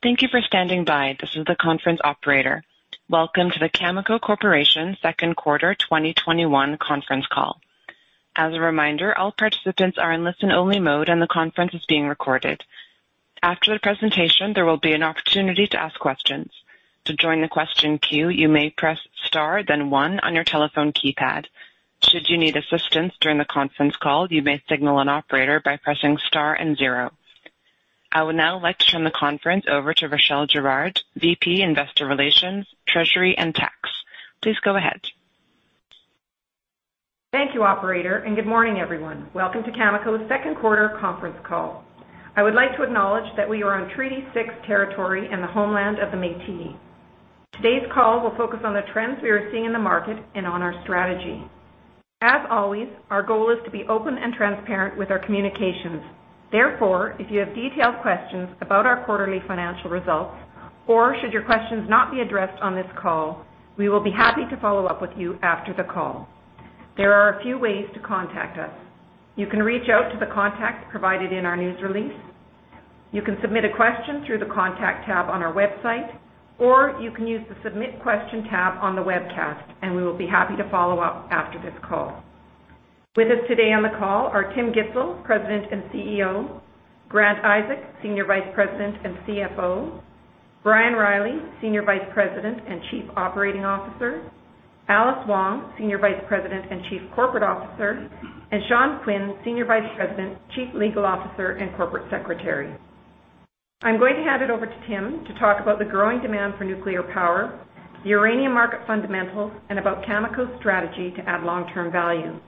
Thank you for standing by. This is the conference operator. Welcome to the Cameco Corporation Second Quarter 2021 conference call. As a reminder, all participants are in listen-only mode and the conference is being recorded. After the presentation, there will be an opportunity to ask questions. To join the question queue, you may press star then one on your telephone keypad. Should you need assistance during the conference call, you may signal an operator by pressing star and zero. I would now like to turn the conference over to Rachelle Girard, VP, Investor Relations, Treasury and Tax. Please go ahead. Thank you, operator, and good morning, everyone. Welcome to Cameco's second quarter conference call. I would like to acknowledge that we are on Treaty 6 territory and the homeland of the Métis. Today's call will focus on the trends we are seeing in the market and on our strategy. As always, our goal is to be open and transparent with our communications. If you have detailed questions about our quarterly financial results, or should your questions not be addressed on this call, we will be happy to follow up with you after the call. There are a few ways to contact us. You can reach out to the contact provided in our news release. You can submit a question through the contact tab on our website, or you can use the submit question tab on the webcast, and we will be happy to follow up after this call. With us today on the call are Tim Gitzel, President and CEO, Grant Isaac, Senior Vice President and CFO, Brian Reilly, Senior Vice President and Chief Operating Officer, Alice Wong, Senior Vice President and Chief Corporate Officer, and Sean Quinn, Senior Vice President, Chief Legal Officer, and Corporate Secretary. I'm going to hand it over to Tim to talk about the growing demand for nuclear power, the uranium market fundamentals, and about Cameco's strategy to add long-term value.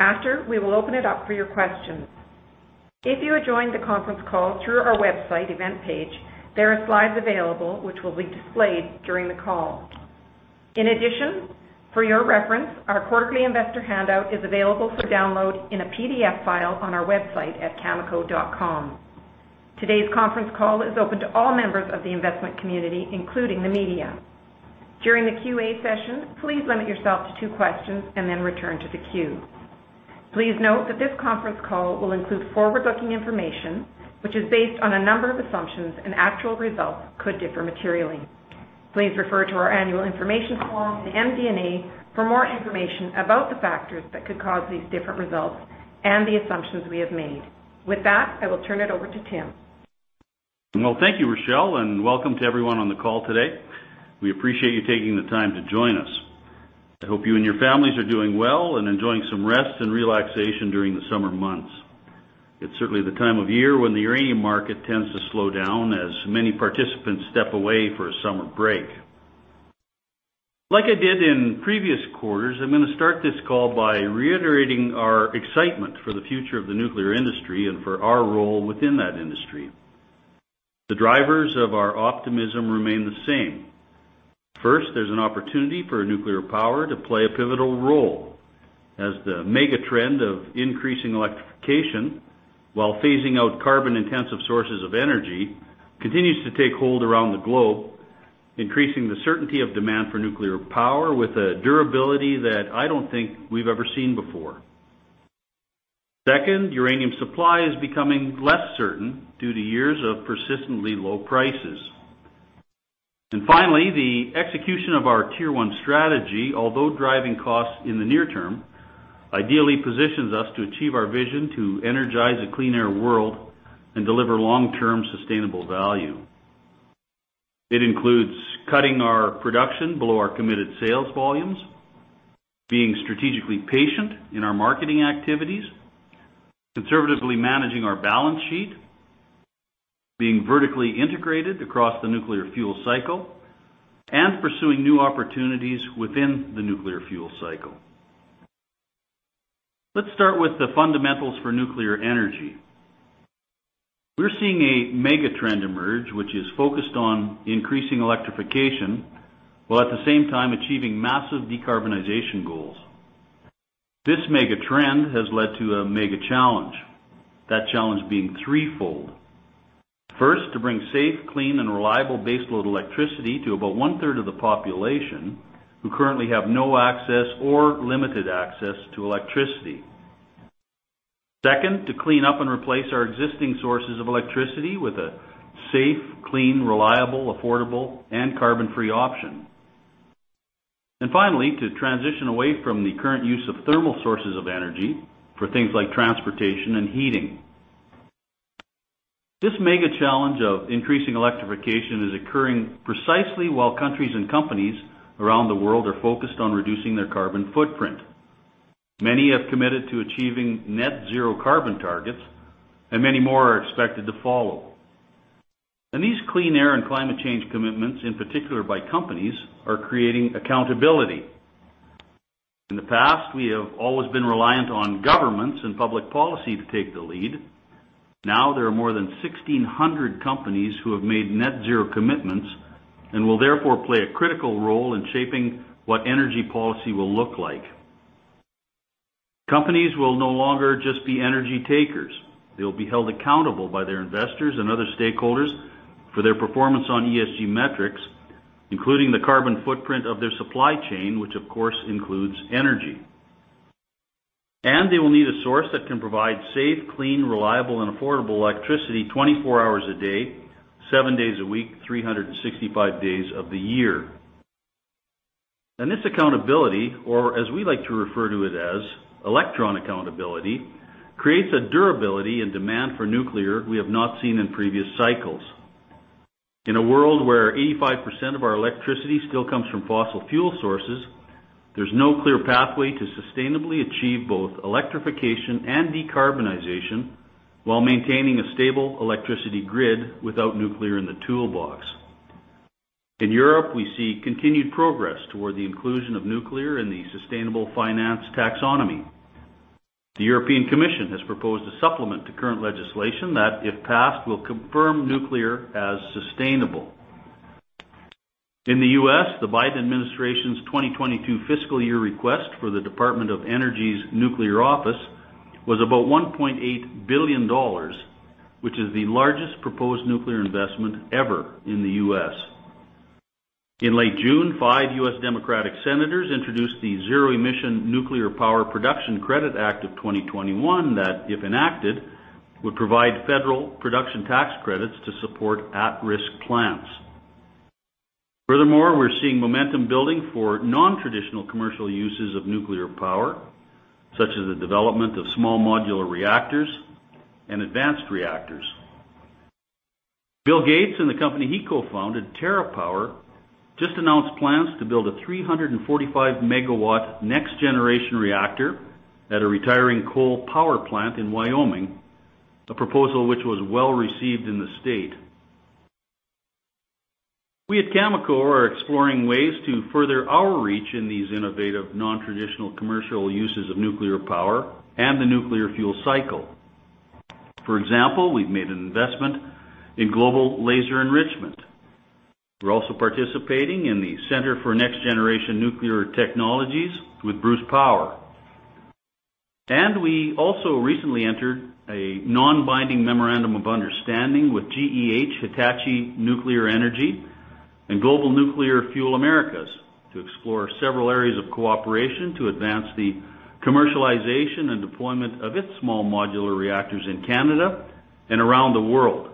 After, we will open it up for your questions. If you have joined the conference call through our website event page, there are slides available which will be displayed during the call. In addition, for your reference, our quarterly investor handout is available for download in a PDF file on our website at cameco.com. Today's conference call is open to all members of the investment community, including the media. During the QA session, please limit yourself to two questions and then return to the queue. Please note that this conference call will include forward-looking information, which is based on a number of assumptions, and actual results could differ materially. Please refer to our annual information form and MD&A for more information about the factors that could cause these different results and the assumptions we have made. With that, I will turn it over to Tim. Well, thank you, Rachelle, and welcome to everyone on the call today. We appreciate you taking the time to join us. I hope you and your families are doing well and enjoying some rest and relaxation during the summer months. It's certainly the time of year when the uranium market tends to slow down as many participants step away for a summer break. Like I did in previous quarters, I'm going to start this call by reiterating our excitement for the future of the nuclear industry and for our role within that industry. The drivers of our optimism remain the same. First, there's an opportunity for nuclear power to play a pivotal role as the megatrend of increasing electrification while phasing out carbon-intensive sources of energy continues to take hold around the globe, increasing the certainty of demand for nuclear power with a durability that I don't think we've ever seen before. Second, uranium supply is becoming less certain due to years of persistently low prices. Finally, the execution of our Tier 1 strategy, although driving costs in the near term, ideally positions us to achieve our vision to energize a clean air world and deliver long-term sustainable value. It includes cutting our production below our committed sales volumes, being strategically patient in our marketing activities, conservatively managing our balance sheet, being vertically integrated across the nuclear fuel cycle, and pursuing new opportunities within the nuclear fuel cycle. Let's start with the fundamentals for nuclear energy. We're seeing a mega trend emerge which is focused on increasing electrification, while at the same time achieving massive decarbonization goals. This mega trend has led to a mega challenge, that challenge being threefold. First, to bring safe, clean, and reliable baseload electricity to about one-third of the population who currently have no access or limited access to electricity. Second, to clean up and replace our existing sources of electricity with a safe, clean, reliable, affordable, and carbon-free option. Finally, to transition away from the current use of thermal sources of energy for things like transportation and heating. This mega challenge of increasing electrification is occurring precisely while countries and companies around the world are focused on reducing their carbon footprint. Many have committed to achieving net-zero carbon targets, and many more are expected to follow. These clean air and climate change commitments, in particular by companies, are creating accountability. In the past, we have always been reliant on governments and public policy to take the lead. Now, there are more than 1,600 companies who have made net-zero commitments and will therefore play a critical role in shaping what energy policy will look like. Companies will no longer just be energy takers. They will be held accountable by their investors and other stakeholders for their performance on ESG metrics, including the carbon footprint of their supply chain, which of course includes energy. They will need a source that can provide safe, clean, reliable, and affordable electricity 24 hours a day, seven days a week, 365 days of the year. This accountability, or as we like to refer to it as electron accountability, creates a durability and demand for nuclear we have not seen in previous cycles. In a world where 85% of our electricity still comes from fossil fuel sources, there's no clear pathway to sustainably achieve both electrification and decarbonization while maintaining a stable electricity grid without nuclear in the toolbox. In Europe, we see continued progress toward the inclusion of nuclear in the EU Sustainable Finance Taxonomy. The European Commission has proposed a supplement to current legislation that, if passed, will confirm nuclear as sustainable. In the U.S., the Biden administration's 2022 fiscal year request for the Department of Energy's nuclear office was about $1.8 billion, which is the largest proposed nuclear investment ever in the U.S. In late June, five U.S. Democratic senators introduced the Zero-Emission Nuclear Power Production Credit Act of 2021 that, if enacted, would provide federal production tax credits to support at-risk plants. We're seeing momentum building for non-traditional commercial uses of nuclear power, such as the development of small modular reactors and advanced reactors. Bill Gates and the company he co-founded, TerraPower, just announced plans to build a 345 MW next generation reactor at a retiring coal power plant in Wyoming, a proposal which was well-received in the state. We at Cameco are exploring ways to further our reach in these innovative, non-traditional commercial uses of nuclear power and the nuclear fuel cycle. For example, we've made an investment in Global Laser Enrichment. We're also participating in the Centre for Next Generation Nuclear Technologies with Bruce Power. We also recently entered a non-binding memorandum of understanding with GE Hitachi Nuclear Energy and Global Nuclear Fuel-Americas to explore several areas of cooperation to advance the commercialization and deployment of its small modular reactors in Canada and around the world.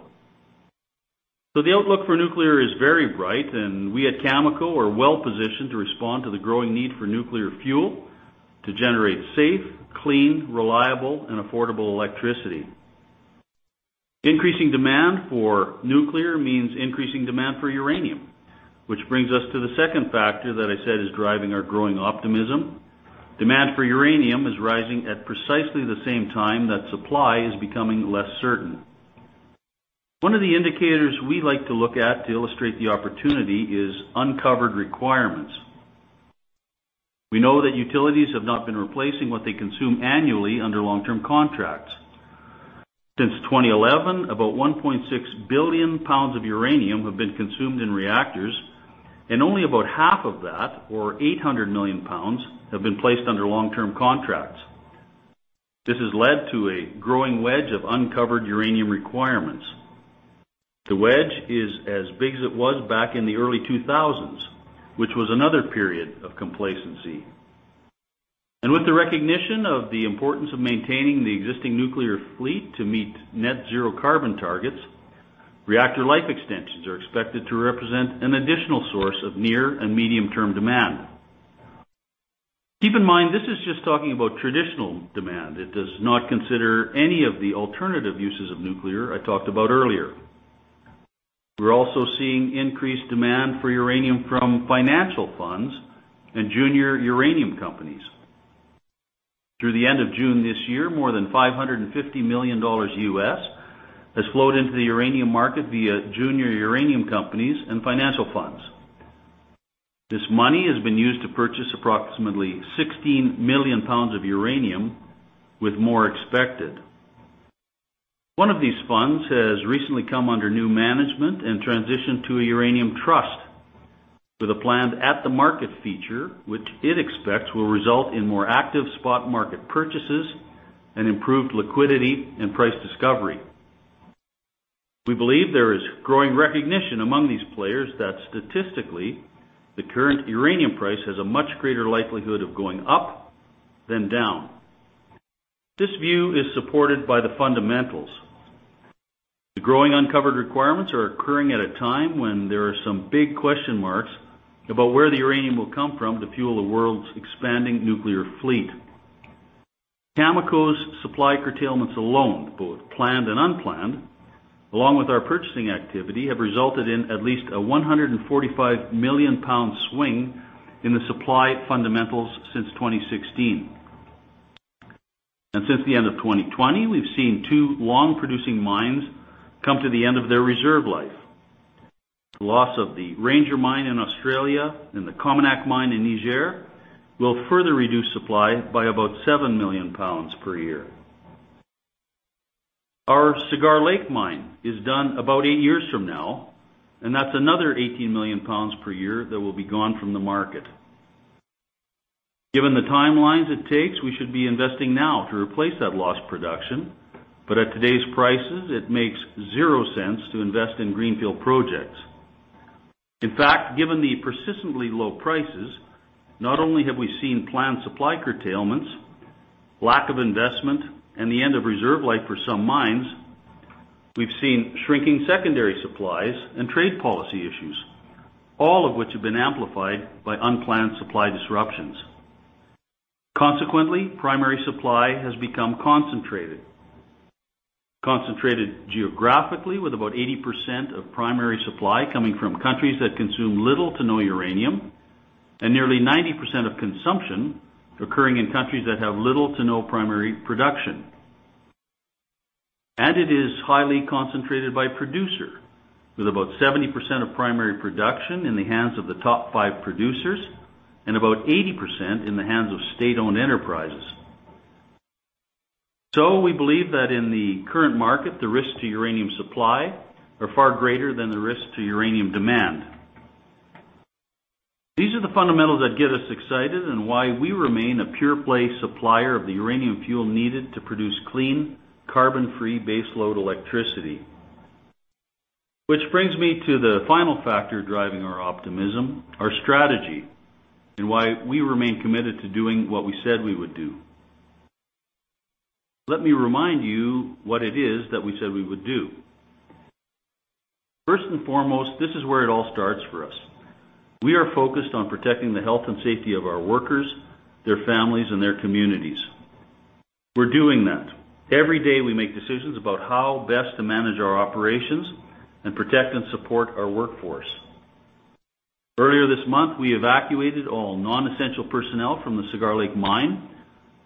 The outlook for nuclear is very bright, and we at Cameco are well-positioned to respond to the growing need for nuclear fuel to generate safe, clean, reliable, and affordable electricity. Increasing demand for nuclear means increasing demand for uranium, which brings us to the second factor that I said is driving our growing optimism. Demand for uranium is rising at precisely the same time that supply is becoming less certain. One of the indicators we like to look at to illustrate the opportunity is uncovered requirements. We know that utilities have not been replacing what they consume annually under long-term contracts. Since 2011, about 1.6 billion lbs of uranium have been consumed in reactors, and only about half of that, or 800 million lbs, have been placed under long-term contracts. This has led to a growing wedge of uncovered uranium requirements. The wedge is as big as it was back in the early 2000s, which was another period of complacency. With the recognition of the importance of maintaining the existing nuclear fleet to meet Net Zero Carbon targets, reactor life extensions are expected to represent an additional source of near and medium-term demand. Keep in mind, this is just talking about traditional demand. It does not consider any of the alternative uses of nuclear I talked about earlier. We're also seeing increased demand for uranium from financial funds and junior uranium companies. Through the end of June this year, more than $550 million U.S. has flowed into the uranium market via junior uranium companies and financial funds. This money has been used to purchase approximately 16 million lbs of uranium, with more expected. One of these funds has recently come under new management and transitioned to a uranium trust with a planned at-the-market feature, which it expects will result in more active spot market purchases and improved liquidity and price discovery. We believe there is growing recognition among these players that statistically, the current uranium price has a much greater likelihood of going up than down. This view is supported by the fundamentals. The growing uncovered requirements are occurring at a time when there are some big question marks about where the uranium will come from to fuel the world's expanding nuclear fleet. Cameco's supply curtailments alone, both planned and unplanned, along with our purchasing activity, have resulted in at least a 145 million lbs swing in the supply fundamentals since 2016. Since the end of 2020, we've seen two long-producing mines come to the end of their reserve life. The loss of the Ranger Mine in Australia and the Cominak Mine in Niger will further reduce supply by about 7 million lbs per year. Our Cigar Lake mine is done about eight years from now, and that's another 18 million lbs per year that will be gone from the market. Given the timelines it takes, we should be investing now to replace that lost production. At today's prices, it makes zero sense to invest in greenfield projects. In fact, given the persistently low prices, not only have we seen planned supply curtailments, lack of investment, and the end of reserve life for some mines, we've seen shrinking secondary supplies and trade policy issues, all of which have been amplified by unplanned supply disruptions. Consequently, primary supply has become concentrated. Concentrated geographically with about 80% of primary supply coming from countries that consume little to no uranium, and nearly 90% of consumption occurring in countries that have little to no primary production. It is highly concentrated by producer, with about 70% of primary production in the hands of the top five producers and about 80% in the hands of state-owned enterprises. We believe that in the current market, the risks to uranium supply are far greater than the risks to uranium demand. These are the fundamentals that get us excited and why we remain a pure play supplier of the uranium fuel needed to produce clean, carbon-free baseload electricity. Which brings me to the final factor driving our optimism, our strategy, and why we remain committed to doing what we said we would do. Let me remind you what it is that we said we would do. First and foremost, this is where it all starts for us. We are focused on protecting the health and safety of our workers, their families, and their communities. We're doing that. Every day, we make decisions about how best to manage our operations and protect and support our workforce. Earlier this month, we evacuated all non-essential personnel from the Cigar Lake Mine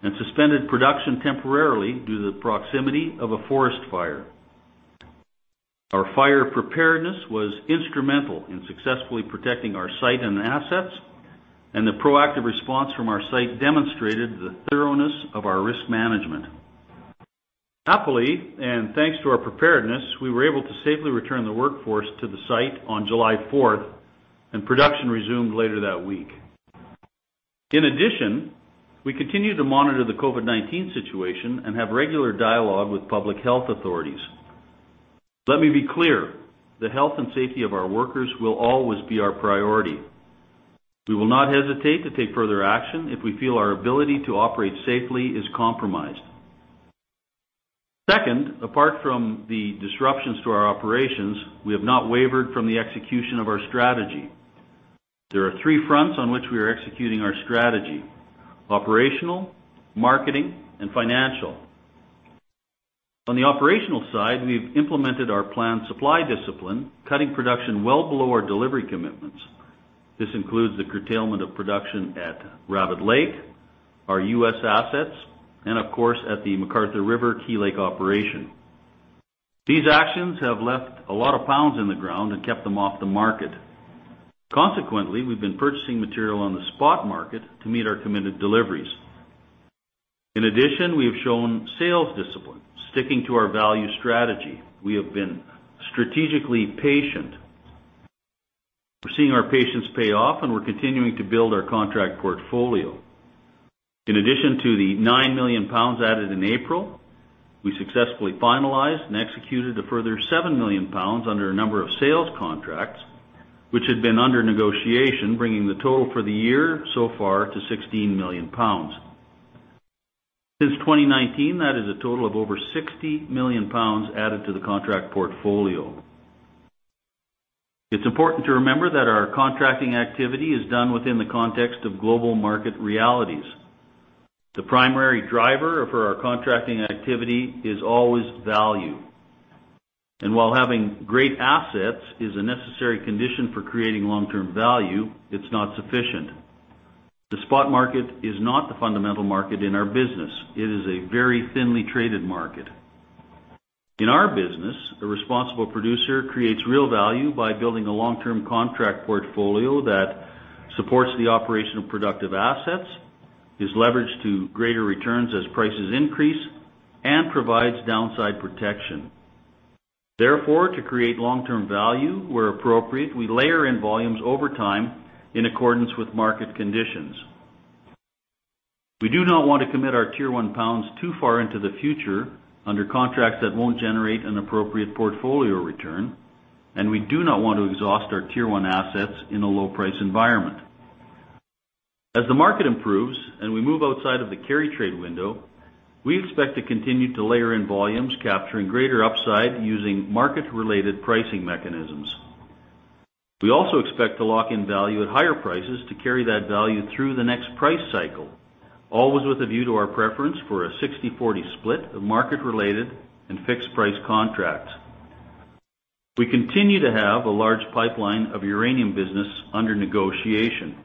and suspended production temporarily due to the proximity of a forest fire. Our fire preparedness was instrumental in successfully protecting our site and assets, and the proactive response from our site demonstrated the thoroughness of our risk management. Happily, and thanks to our preparedness, we were able to safely return the workforce to the site on July 4th, and production resumed later that week. In addition, we continue to monitor the COVID-19 situation and have regular dialogue with public health authorities. Let me be clear, the health and safety of our workers will always be our priority. We will not hesitate to take further action if we feel our ability to operate safely is compromised. Second, apart from the disruptions to our operations, we have not wavered from the execution of our strategy. There are three fronts on which we are executing our strategy: operational, marketing, and financial. On the operational side, we've implemented our planned supply discipline, cutting production well below our delivery commitments. This includes the curtailment of production at Rabbit Lake, our U.S. assets, and of course, at the McArthur River/Key Lake operation. These actions have left a lot of pounds in the ground and kept them off the market. Consequently, we've been purchasing material on the spot market to meet our committed deliveries. In addition, we have shown sales discipline, sticking to our value strategy. We have been strategically patient. We're seeing our patience pay off and we're continuing to build our contract portfolio. In addition to the 9 million lbs added in April, we successfully finalized and executed a further 7 million lbs under a number of sales contracts, which had been under negotiation, bringing the total for the year so far to 16 million lbs. Since 2019, that is a total of over 60 million lbs added to the contract portfolio. It's important to remember that our contracting activity is done within the context of global market realities. The primary driver for our contracting activity is always value. While having great assets is a necessary condition for creating long-term value, it's not sufficient. The spot market is not the fundamental market in our business; it is a very thinly traded market. In our business, a responsible producer creates real value by building a long-term contract portfolio that supports the operation of productive assets, is leveraged to greater returns as prices increase, and provides downside protection. Therefore, to create long-term value, where appropriate, we layer in volumes over time in accordance with market conditions. We do not want to commit our Tier 1 pounds too far into the future under contracts that won't generate an appropriate portfolio return, and we do not want to exhaust our Tier 1 assets in a low-price environment. As the market improves and we move outside of the carry trade window, we expect to continue to layer in volumes, capturing greater upside using market-related pricing mechanisms. We also expect to lock in value at higher prices to carry that value through the next price cycle, always with a view to our preference for a 60/40 split of market-related and fixed-price contracts. We continue to have a large pipeline of uranium business under negotiation.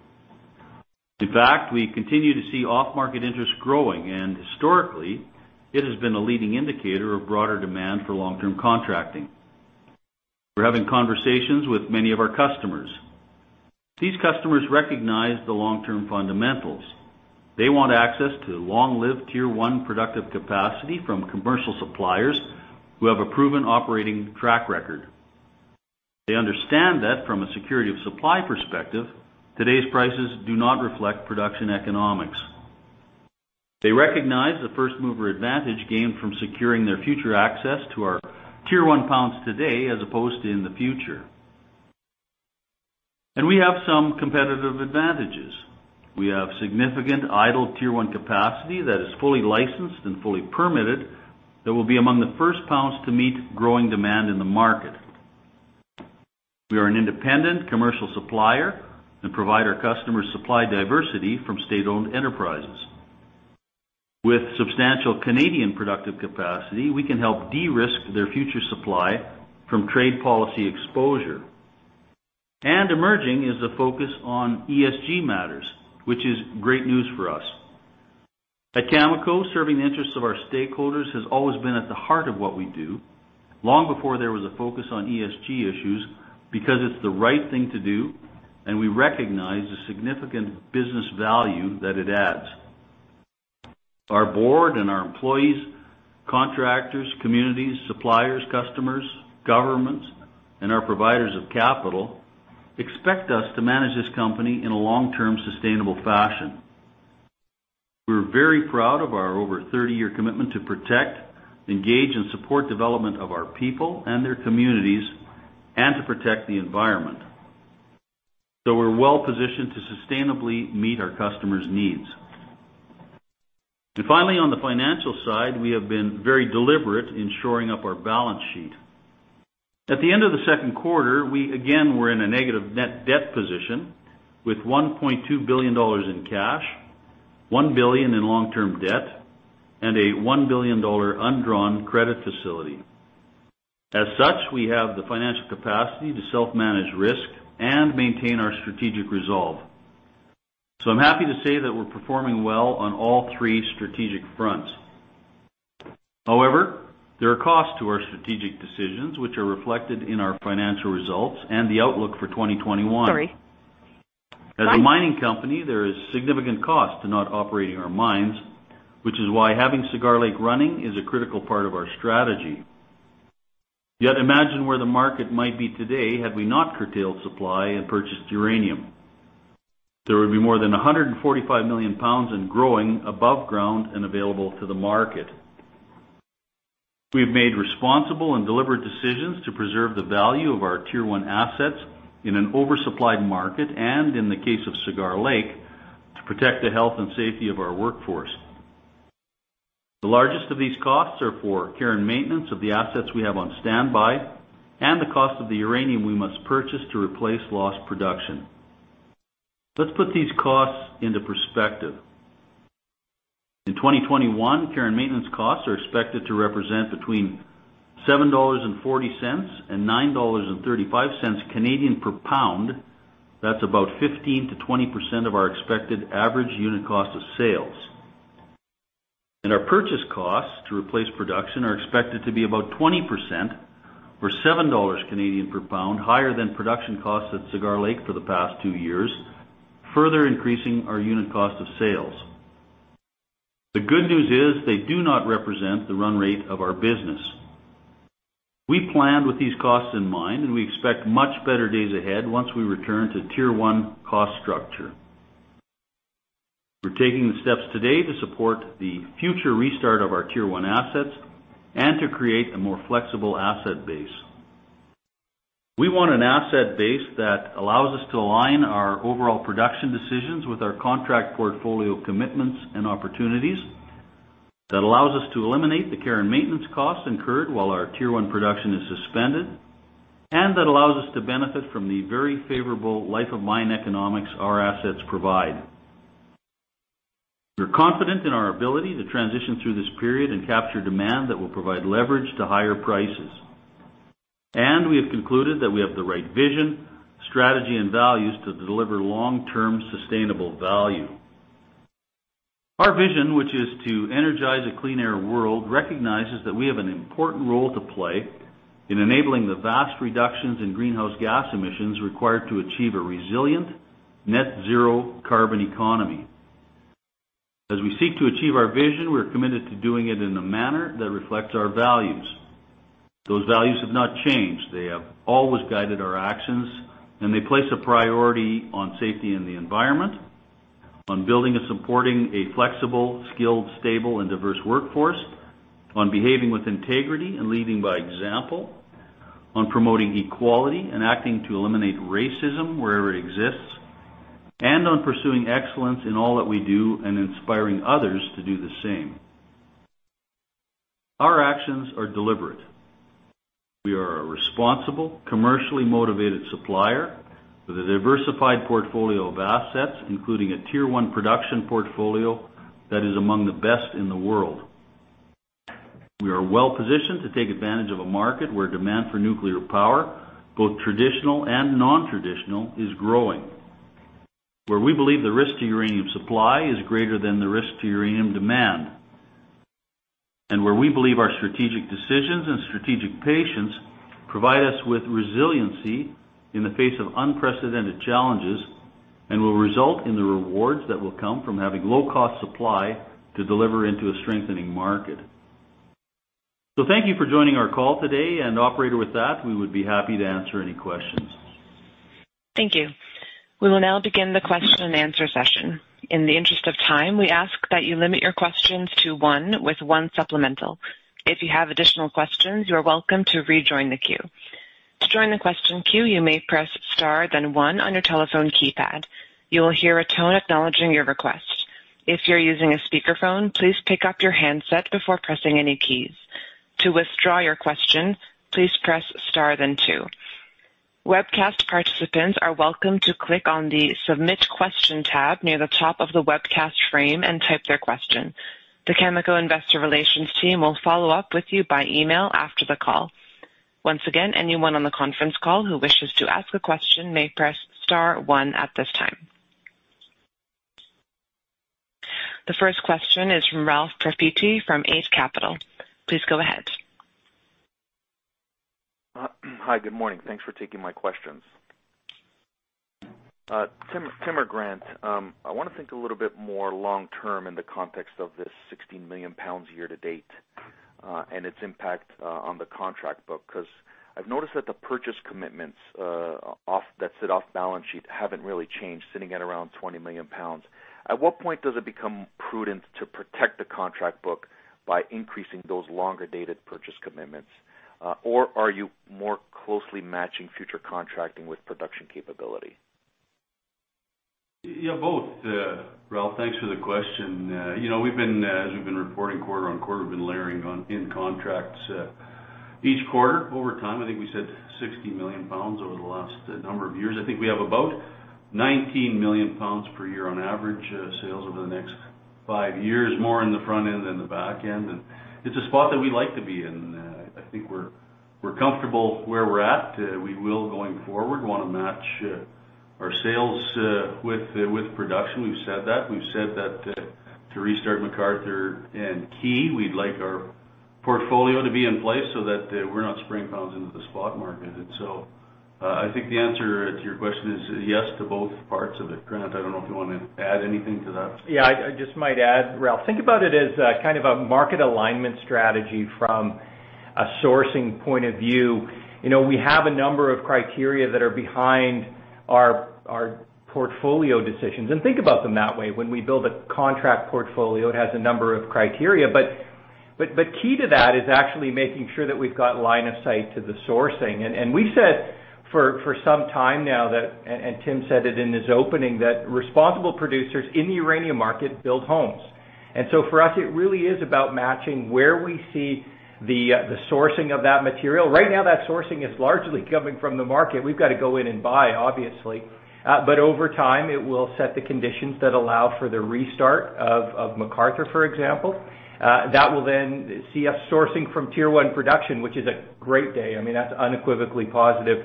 In fact, we continue to see off-market interest growing, and historically, it has been a leading indicator of broader demand for long-term contracting. We're having conversations with many of our customers. These customers recognize the long-term fundamentals. They want access to long-lived Tier 1 productive capacity from commercial suppliers who have a proven operating track record. They understand that from a security of supply perspective, today's prices do not reflect production economics. They recognize the first-mover advantage gained from securing their future access to our Tier 1 pounds today as opposed to in the future. We have some competitive advantages. We have significant idle Tier 1 capacity that is fully licensed and fully permitted that will be among the first pounds to meet growing demand in the market. We are an independent commercial supplier and provide our customers supply diversity from state-owned enterprises. With substantial Canadian productive capacity, we can help de-risk their future supply from trade policy exposure. Emerging is the focus on ESG matters, which is great news for us. At Cameco, serving the interests of our stakeholders has always been at the heart of what we do, long before there was a focus on ESG issues, because it's the right thing to do, and we recognize the significant business value that it adds. Our board and our employees, contractors, communities, suppliers, customers, governments, and our providers of capital expect us to manage this company in a long-term, sustainable fashion. We're very proud of our over 30-year commitment to protect, engage, and support development of our people and their communities, and to protect the environment. We're well-positioned to sustainably meet our customers' needs. Finally, on the financial side, we have been very deliberate in shoring up our balance sheet. At the end of the second quarter, we again were in a negative net debt position with 1.2 billion dollars in cash, 1 billion in long-term debt, and a 1 billion dollar undrawn credit facility. As such, we have the financial capacity to self-manage risk and maintain our strategic resolve. I'm happy to say that we're performing well on all three strategic fronts. However, there are costs to our strategic decisions, which are reflected in our financial results and the outlook for 2021. As a mining company, there is significant cost to not operating our mines, which is why having Cigar Lake running is a critical part of our strategy. Yet imagine where the market might be today had we not curtailed supply and purchased uranium. There would be more than 145 million lbs and growing above ground and available to the market. We have made responsible and deliberate decisions to preserve the value of our Tier 1 assets in an oversupplied market, and in the case of Cigar Lake, to protect the health and safety of our workforce. The largest of these costs are for care and maintenance of the assets we have on standby and the cost of the uranium we must purchase to replace lost production. Let's put these costs into perspective. In 2021, care and maintenance costs are expected to represent between 7.40 dollars and 9.35 Canadian dollars per pound. That's about 15%-20% of our expected average unit cost of sales. Our purchase costs to replace production are expected to be about 20%, or 7 Canadian dollars per pound, higher than production costs at Cigar Lake for the past two years, further increasing our unit cost of sales. The good news is they do not represent the run rate of our business. We planned with these costs in mind, and we expect much better days ahead once we return to Tier 1 cost structure. We're taking the steps today to support the future restart of our Tier 1 assets and to create a more flexible asset base. We want an asset base that allows us to align our overall production decisions with our contract portfolio commitments and opportunities, that allows us to eliminate the care and maintenance costs incurred while our Tier 1 production is suspended, and that allows us to benefit from the very favorable life of mine economics our assets provide. We're confident in our ability to transition through this period and capture demand that will provide leverage to higher prices. We have concluded that we have the right vision, strategy, and values to deliver long-term sustainable value. Our vision, which is to energize a clean air world, recognizes that we have an important role to play in enabling the vast reductions in greenhouse gas emissions required to achieve a resilient net-zero carbon economy. As we seek to achieve our vision, we're committed to doing it in a manner that reflects our values. Those values have not changed. They have always guided our actions, and they place a priority on safety and the environment, on building and supporting a flexible, skilled, stable, and diverse workforce, on behaving with integrity and leading by example, on promoting equality and acting to eliminate racism wherever it exists, and on pursuing excellence in all that we do and inspiring others to do the same. Our actions are deliberate. We are a responsible, commercially motivated supplier with a diversified portfolio of assets, including a Tier 1 production portfolio that is among the best in the world. We are well positioned to take advantage of a market where demand for nuclear power, both traditional and non-traditional, is growing; where we believe the risk to uranium supply is greater than the risk to uranium demand; and where we believe our strategic decisions and strategic patience provide us with resiliency in the face of unprecedented challenges and will result in the rewards that will come from having low-cost supply to deliver into a strengthening market. Thank you for joining our call today, and operator, with that, we would be happy to answer any questions. Thank you. We will now begin the question-and-answer session. In the interest of time, we ask that you limit your questions to one with one supplemental. If you have additional questions, you are welcome to rejoin the queue. To join the question queue, you may press star then one on your telephone keypad. You will hear a tone acknowledging your request. If you're using a speakerphone, please pick up your handset before pressing any keys. To withdraw your question, please press star then two. Webcast participants are welcome to click on the Submit Question tab near the top of the webcast frame and type their question. The Cameco investor relations team will follow up with you by email after the call. Once again, anyone on the conference call who wishes to ask a question may press star one at this time. The first question is from Ralph Profiti from Eight Capital. Please go ahead Hi, good morning. Thanks for taking my questions. Tim or Grant, I want to think a little bit more long-term in the context of this 16 million lbs year to date, and its impact on the contract book, because I've noticed that the purchase commitments that sit off-balance sheet haven't really changed, sitting at around 20 million lbs. At what point does it become prudent to protect the contract book by increasing those longer-dated purchase commitments? Are you more closely matching future contracting with production capability? Both. Ralph, thanks for the question. As we've been reporting quarter-on-quarter, we've been layering on in contracts each quarter. Over time, I think we said 16 million lbs over the last number of years. I think we have about 19 million lbs per year on average sales over the next five years, more in the front end than the back end. It's a spot that we like to be in. I think we're comfortable where we're at. We will, going forward, want to match our sales with production. We've said that. We've said that to restart McArthur and Key, we'd like our portfolio to be in place so that we're not spraying pounds into the spot market. I think the answer to your question is yes to both parts of it. Grant, I don't know if you want to add anything to that. Yeah, I just might add, Ralph, think about it as a market alignment strategy from a sourcing point of view. We have a number of criteria that are behind our portfolio decisions, and think about them that way. When we build a contract portfolio, it has a number of criteria, but key to that is actually making sure that we've got line of sight to the sourcing. We said for some time now, and Tim said it in his opening, that responsible producers in the uranium market build homes. For us, it really is about matching where we see the sourcing of that material. Right now, that sourcing is largely coming from the market. We've got to go in and buy, obviously. Over time, it will set the conditions that allow for the restart of McArthur, for example. That will then see us sourcing from tier 1 production, which is a great day. That's unequivocally positive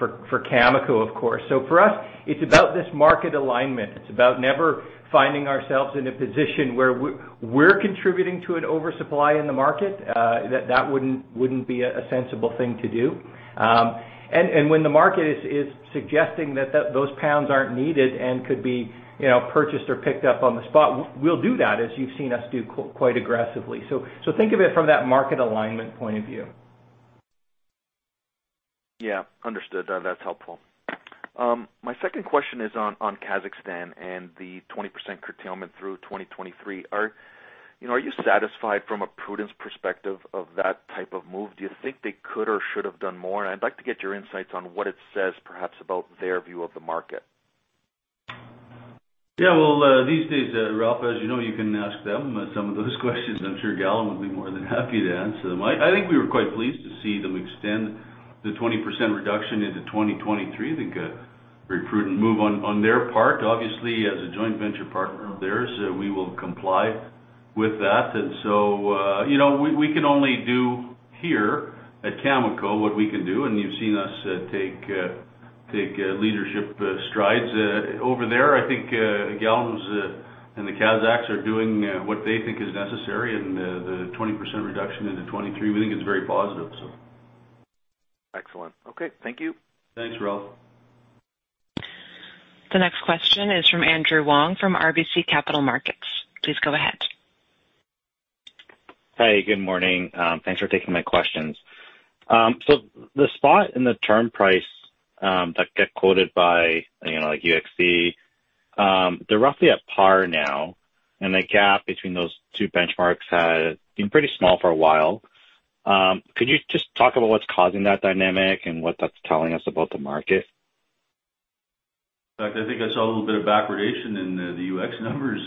for Cameco, of course. For us, it's about this market alignment. It's about never finding ourselves in a position where we're contributing to an oversupply in the market. That wouldn't be a sensible thing to do. When the market is suggesting that those pounds aren't needed and could be purchased or picked up on the spot, we'll do that, as you've seen us do quite aggressively. Think of it from that market alignment point of view. Yeah, understood. That's helpful. My second question is on Kazakhstan and the 20% curtailment through 2023. Are you satisfied from a prudence perspective of that type of move? Do you think they could or should have done more? I'd like to get your insights on what it says perhaps about their view of the market. Well, these days, Ralph, as you know, you can ask them some of those questions. I'm sure Grant would be more than happy to answer them. I think we were quite pleased to see them extend the 20% reduction into 2023. I think a very prudent move on their part. Obviously, as a joint venture partner of theirs, we will comply with that. We can only do here at Cameco what we can do, and you've seen us take leadership strides over there. I think [Galan and the Kazakhs are doing what they think is necessary, and the 20% reduction into 2023, we think is very positive. Excellent. Okay. Thank you. Thanks, Ralph. The next question is from Andrew Wong from RBC Capital Markets. Please go ahead. Hey, good morning. Thanks for taking my questions. The spot and the term price that get quoted by UxC, they're roughly at par now, and the gap between those two benchmarks has been pretty small for a while. Could you just talk about what's causing that dynamic and what that's telling us about the market? In fact, I think I saw a little bit of backwardation in the UxC numbers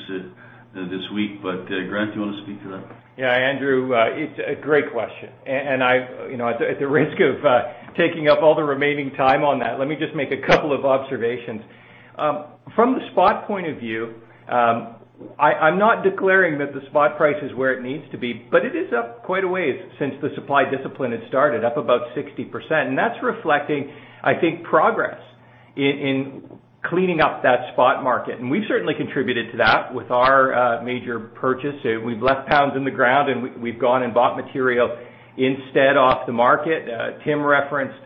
this week. Grant, do you want to speak to that? Yeah, Andrew, it's a great question. At the risk of taking up all the remaining time on that, let me just make a couple of observations. From the spot point of view, I'm not declaring that the spot price is where it needs to be, but it is up quite a ways since the supply discipline had started, up about 60%, and that's reflecting, I think, progress in cleaning up that spot market. We've certainly contributed to that with our major purchase. We've left pounds in the ground, and we've gone and bought material instead off the market. Tim referenced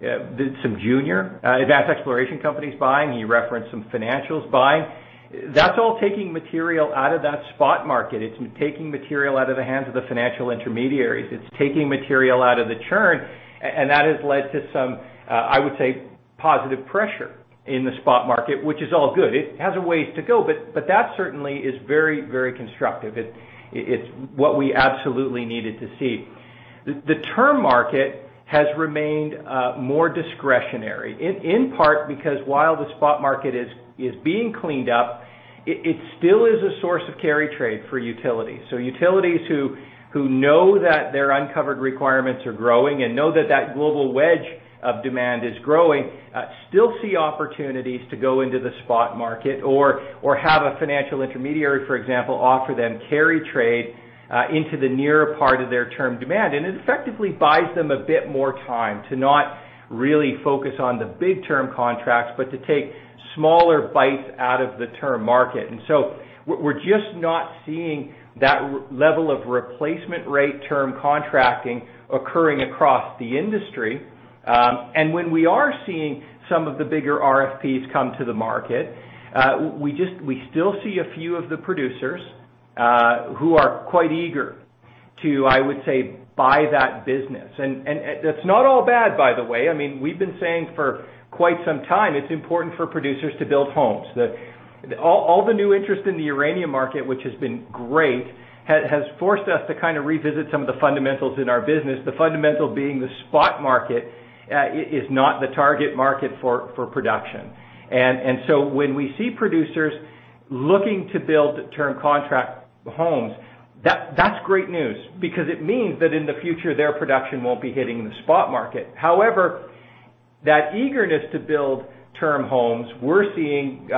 that there's some junior advanced exploration companies buying. You referenced some financials buying. That's all taking material out of that spot market. It's taking material out of the hands of the financial intermediaries. It's taking material out of the churn, and that has led to some, I would say, positive pressure in the spot market, which is all good. It has a ways to go, but that certainly is very constructive. It's what we absolutely needed to see. The term market has remained more discretionary, in part because while the spot market is being cleaned up, it still is a source of carry trade for utilities. Utilities who know that their uncovered requirements are growing and know that global wedge of demand is growing still see opportunities to go into the spot market or have a financial intermediary, for example, offer them carry trade into the nearer part of their term demand. It effectively buys them a bit more time to not really focus on the big term contracts, but to take smaller bites out of the term market. We're just not seeing that level of replacement rate term contracting occurring across the industry. When we are seeing some of the bigger RFPs come to the market, we still see a few of the producers who are quite eager to, I would say, buy that business. That's not all bad, by the way. We've been saying for quite some time, it's important for producers to build homes. All the new interest in the uranium market, which has been great, has forced us to kind of revisit some of the fundamentals in our business, the fundamental being the spot market is not the target market for production. When we see producers looking to build term contract homes, that's great news because it means that in the future, their production won't be hitting the spot market. However, that eagerness to build term homes, we're seeing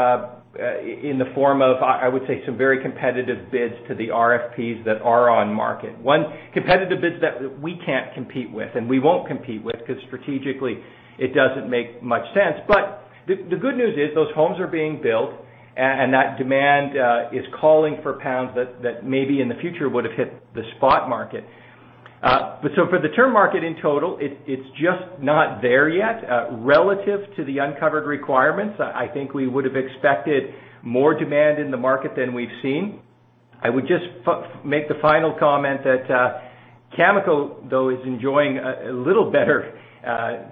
in the form of, I would say, some very competitive bids to the RFPs that are on market. Competitive bids that we can't compete with, and we won't compete with, because strategically it doesn't make much sense. The good news is those homes are being built and that demand is calling for pounds that maybe in the future would have hit the spot market. For the term market in total, it's just not there yet. Relative to the uncovered requirements, I think we would have expected more demand in the market than we've seen. I would just make the final comment that Cameco, though, is enjoying a little better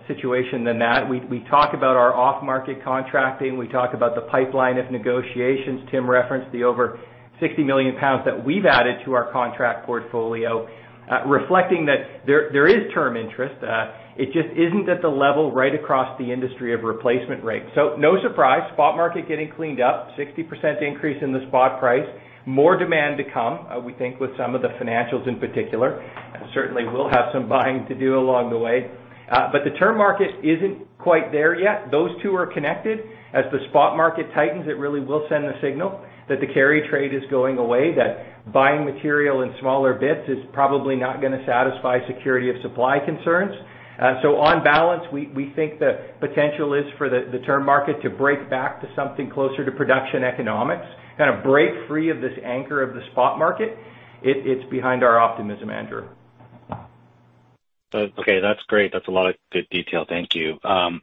situation than that. We talk about our off-market contracting. We talk about the pipeline of negotiations. Tim referenced the over 60 million lbs that we've added to our contract portfolio, reflecting that there is term interest. It just isn't at the level right across the industry of replacement rate. No surprise, spot market getting cleaned up, 60% increase in the spot price, more demand to come, we think, with some of the financials in particular. Certainly, we'll have some buying to do along the way. The term market isn't quite there yet. Those two are connected. As the spot market tightens, it will really send a signal that the carry trade is going away, that buying material in smaller bits is probably not going to satisfy security of supply concerns. On balance, we think the potential is for the term market to break back to something closer to production economics, kind of break free of this anchor of the spot market. It's behind our optimism, Andrew. That's great. That's a lot of good detail. Thank you.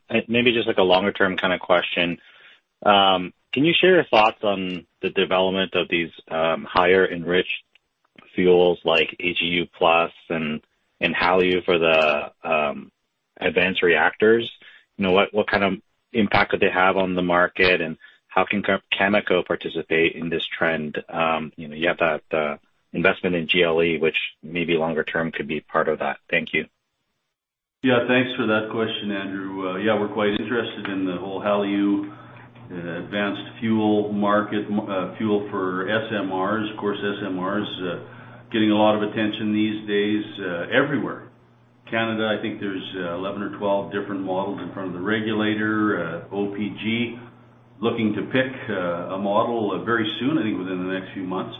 Just like a longer-term kind of question. Can you share your thoughts on the development of these higher enriched fuels like LEU+ and HALEU for the advanced reactors? What kind of impact could they have on the market, and how can Cameco participate in this trend? You have that investment in GLE, which may be longer term, could be part of that. Thank you. Thanks for that question, Andrew. We're quite interested in the whole HALEU advanced fuel market, fuel for SMRs. Of course, SMRs are getting a lot of attention these days everywhere. Canada, I think there are 11 or 12 different models in front of the regulator. OPG looking to pick a model very soon, I think within the next few months,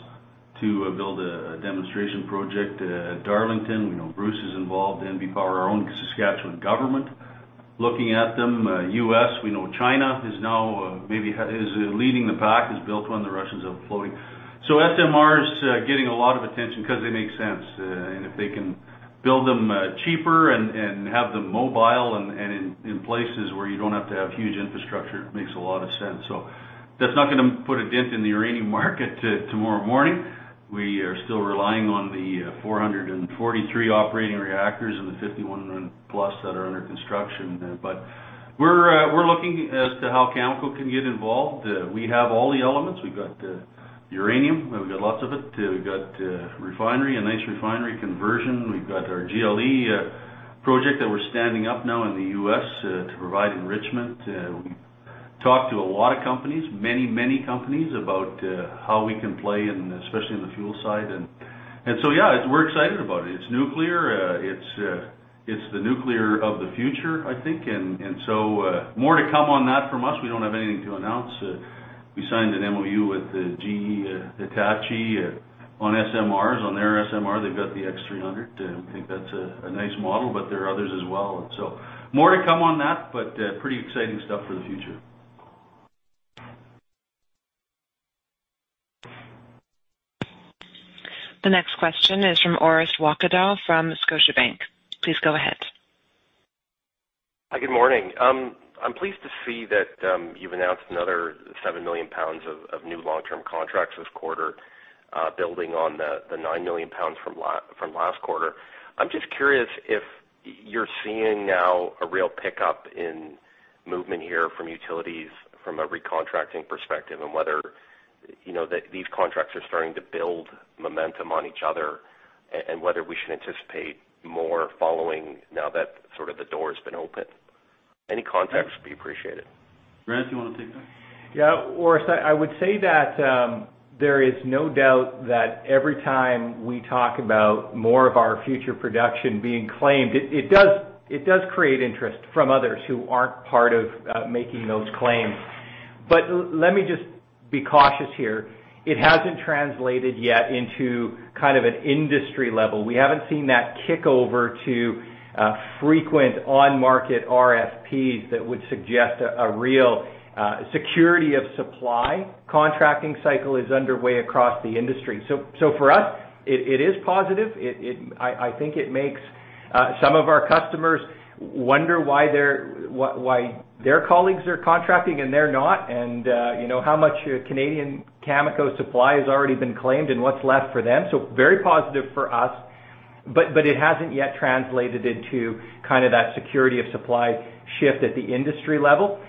to build a demonstration project at Darlington. We know Bruce is involved, NB Power, our own Saskatchewan government looking at them. U.S., we know China is now maybe is leading the pack, has built one, the Russians are floating. SMRs are getting a lot of attention because they make sense. If they can build them cheaper and have them mobile and in places where you don't have to have huge infrastructure, it makes a lot of sense. That's not going to put a dent in the uranium market tomorrow morning. We are still relying on the 443 operating reactors and the 51 plus that are under construction. We're looking as to how Cameco can get involved. We have all the elements. We've got uranium, we've got lots of it. We've got refinery, a nice refinery conversion. We've got our GLE project that we're standing up now in the U.S. to provide enrichment. We talk to a lot of companies, many companies about how we can play, and especially in the fuel side. Yeah, we're excited about it. It's nuclear. It's the nuclear of the future, I think. More to come on that from us. We don't have anything to announce. We signed an MOU with GE Hitachi on SMRs, on their SMR. They've got the X-300. We think that's a nice model, but there are others as well. More to come on that, but pretty exciting stuff for the future. The next question is from Orest Wowkodaw from Scotiabank. Please go ahead. Hi, good morning. I'm pleased to see that you've announced another 7 million lbs of new long-term contracts this quarter, building on the 9 million lbs from last quarter. I'm just curious if you're seeing now a real pickup in movement here from utilities, from a recontracting perspective, and whether these contracts are starting to build momentum on each other, and whether we should anticipate more following now that sort of the door has been opened. Any context would be appreciated. Grant, do you want to take that? Yeah. Orest, I would say that there is no doubt that every time we talk about more of our future production being claimed, it does create interest from others who aren't part of making those claims. Let me just be cautious here. It hasn't translated yet into kind of an industry level. We haven't seen that kick over to frequent on-market RFPs that would suggest a real security of supply contracting cycle is underway across the industry. For us, it is positive. I think it makes some of our customers wonder why their colleagues are contracting and they're not, and how much Canadian Cameco supply has already been claimed, and what's left for them. Very positive for us, but it hasn't yet translated into that security of supply shift at the industry level.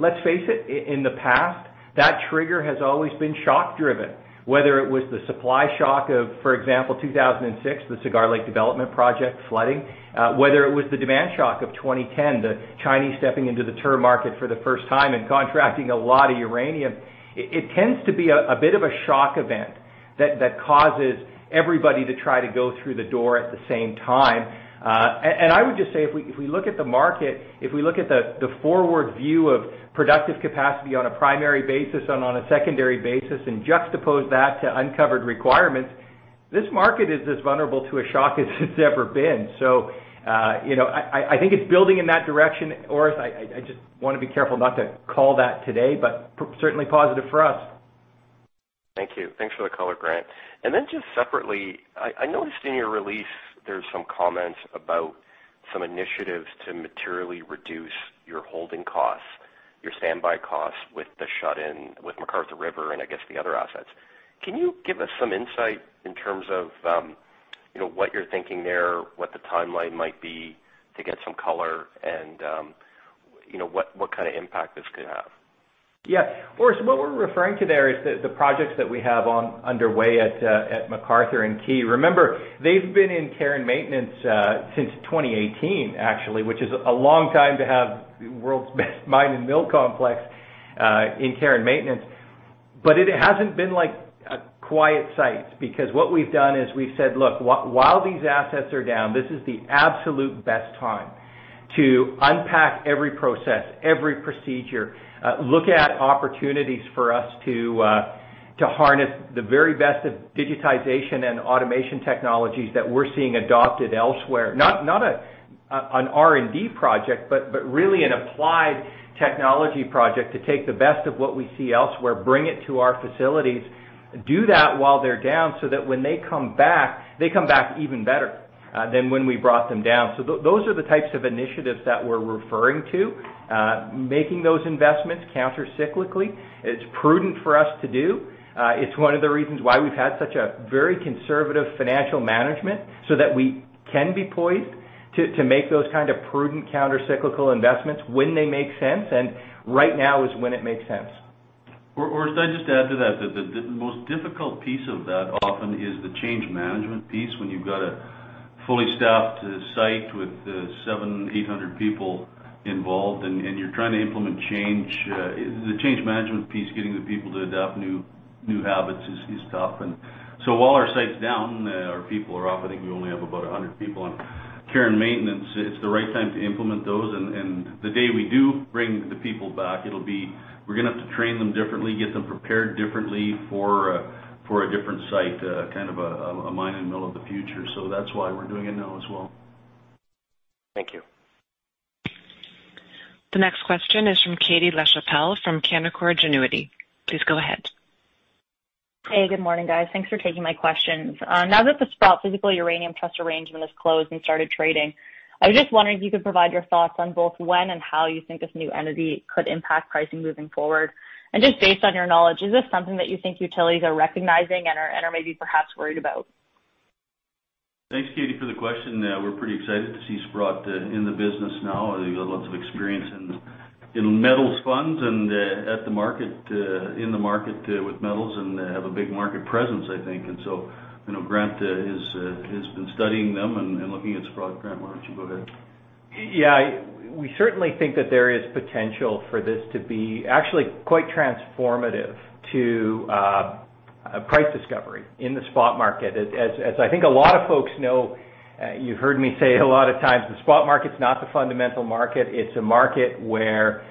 Let's face it, in the past, that trigger has always been shock-driven, whether it was the supply shock of, for example, 2006, the Cigar Lake development project flooding, whether it was the demand shock of 2010, the Chinese stepping into the term market for the first time and contracting a lot of uranium. It tends to be a bit of a shock event that causes everybody to try to go through the door at the same time. I would just say, if we look at the market, if we look at the forward view of productive capacity on a primary basis and on a secondary basis, and juxtapose that to uncovered requirements, this market is as vulnerable to a shock as it's ever been. I think it's building in that direction, Orest. I just want to be careful not to call that today, but certainly positive for us. Thank you. Thanks for the color, Grant. Just separately, I noticed in your release there's some comments about some initiatives to materially reduce your holding costs, your standby costs with the shut-in at McArthur River, and I guess the other assets. Can you give us some insight in terms of what you're thinking there, what the timeline might be to get some color, and what kind of impact this could have? Yeah. Orest, what we're referring to there is the projects that we have underway at McArthur and Key. Remember, they've been in care and maintenance since 2018, actually, which is a long time to have the world's best mine and mill complex in care and maintenance. It hasn't been a quiet site, because what we've done is we've said, "Look, while these assets are down, this is the absolute best time to unpack every process, every procedure, look at opportunities for us to harness the very best of digitization and automation technologies that we're seeing adopted elsewhere." Not an R&D project, but really an applied technology project to take the best of what we see elsewhere, bring it to our facilities, do that while they're down, so that when they come back, they come back even better than when we brought them down. Those are the types of initiatives that we're referring to, making those investments counter-cyclically. It's prudent for us to do. It's one of the reasons why we've had such a very conservative financial management, so that we can be poised to make those kinds of prudent counter-cyclical investments when they make sense, and right now is when it makes sense. Orest, can I just add to that the most difficult piece of that often is the change management piece. When you've got a fully staffed site with 700, 800 people involved and you're trying to implement change, the change management piece, getting the people to adopt new habits is tough. While our site's down, our people are off, I think we only have about 100 people on care and maintenance, it's the right time to implement those. The day we do bring the people back, we're going to have to train them differently, get them prepared differently for a different site, kind of a mine and mill of the future. That's why we're doing it now as well. Thank you. The next question is from Katie Lachapelle from Canaccord Genuity. Please go ahead. Hey, good morning, guys. Thanks for taking my questions. Now that the Sprott Physical Uranium Trust arrangement has closed and started trading, I was just wondering if you could provide your thoughts on both when and how you think this new entity could impact pricing moving forward. Just based on your knowledge, is this something that you think utilities are recognizing and are maybe perhaps worried about? Thanks, Katie, for the question. We're pretty excited to see Sprott in the business now. They got lots of experience in metals funds and in the market with metals, and have a big market presence, I think. Grant has been studying them and looking at Sprott. Grant, why don't you go ahead? Yeah. We certainly think that there is potential for this to be actually quite transformative to price discovery in the spot market. As I think a lot of folks know, you've heard me say a lot of times, the spot market's not the fundamental market. It's a market where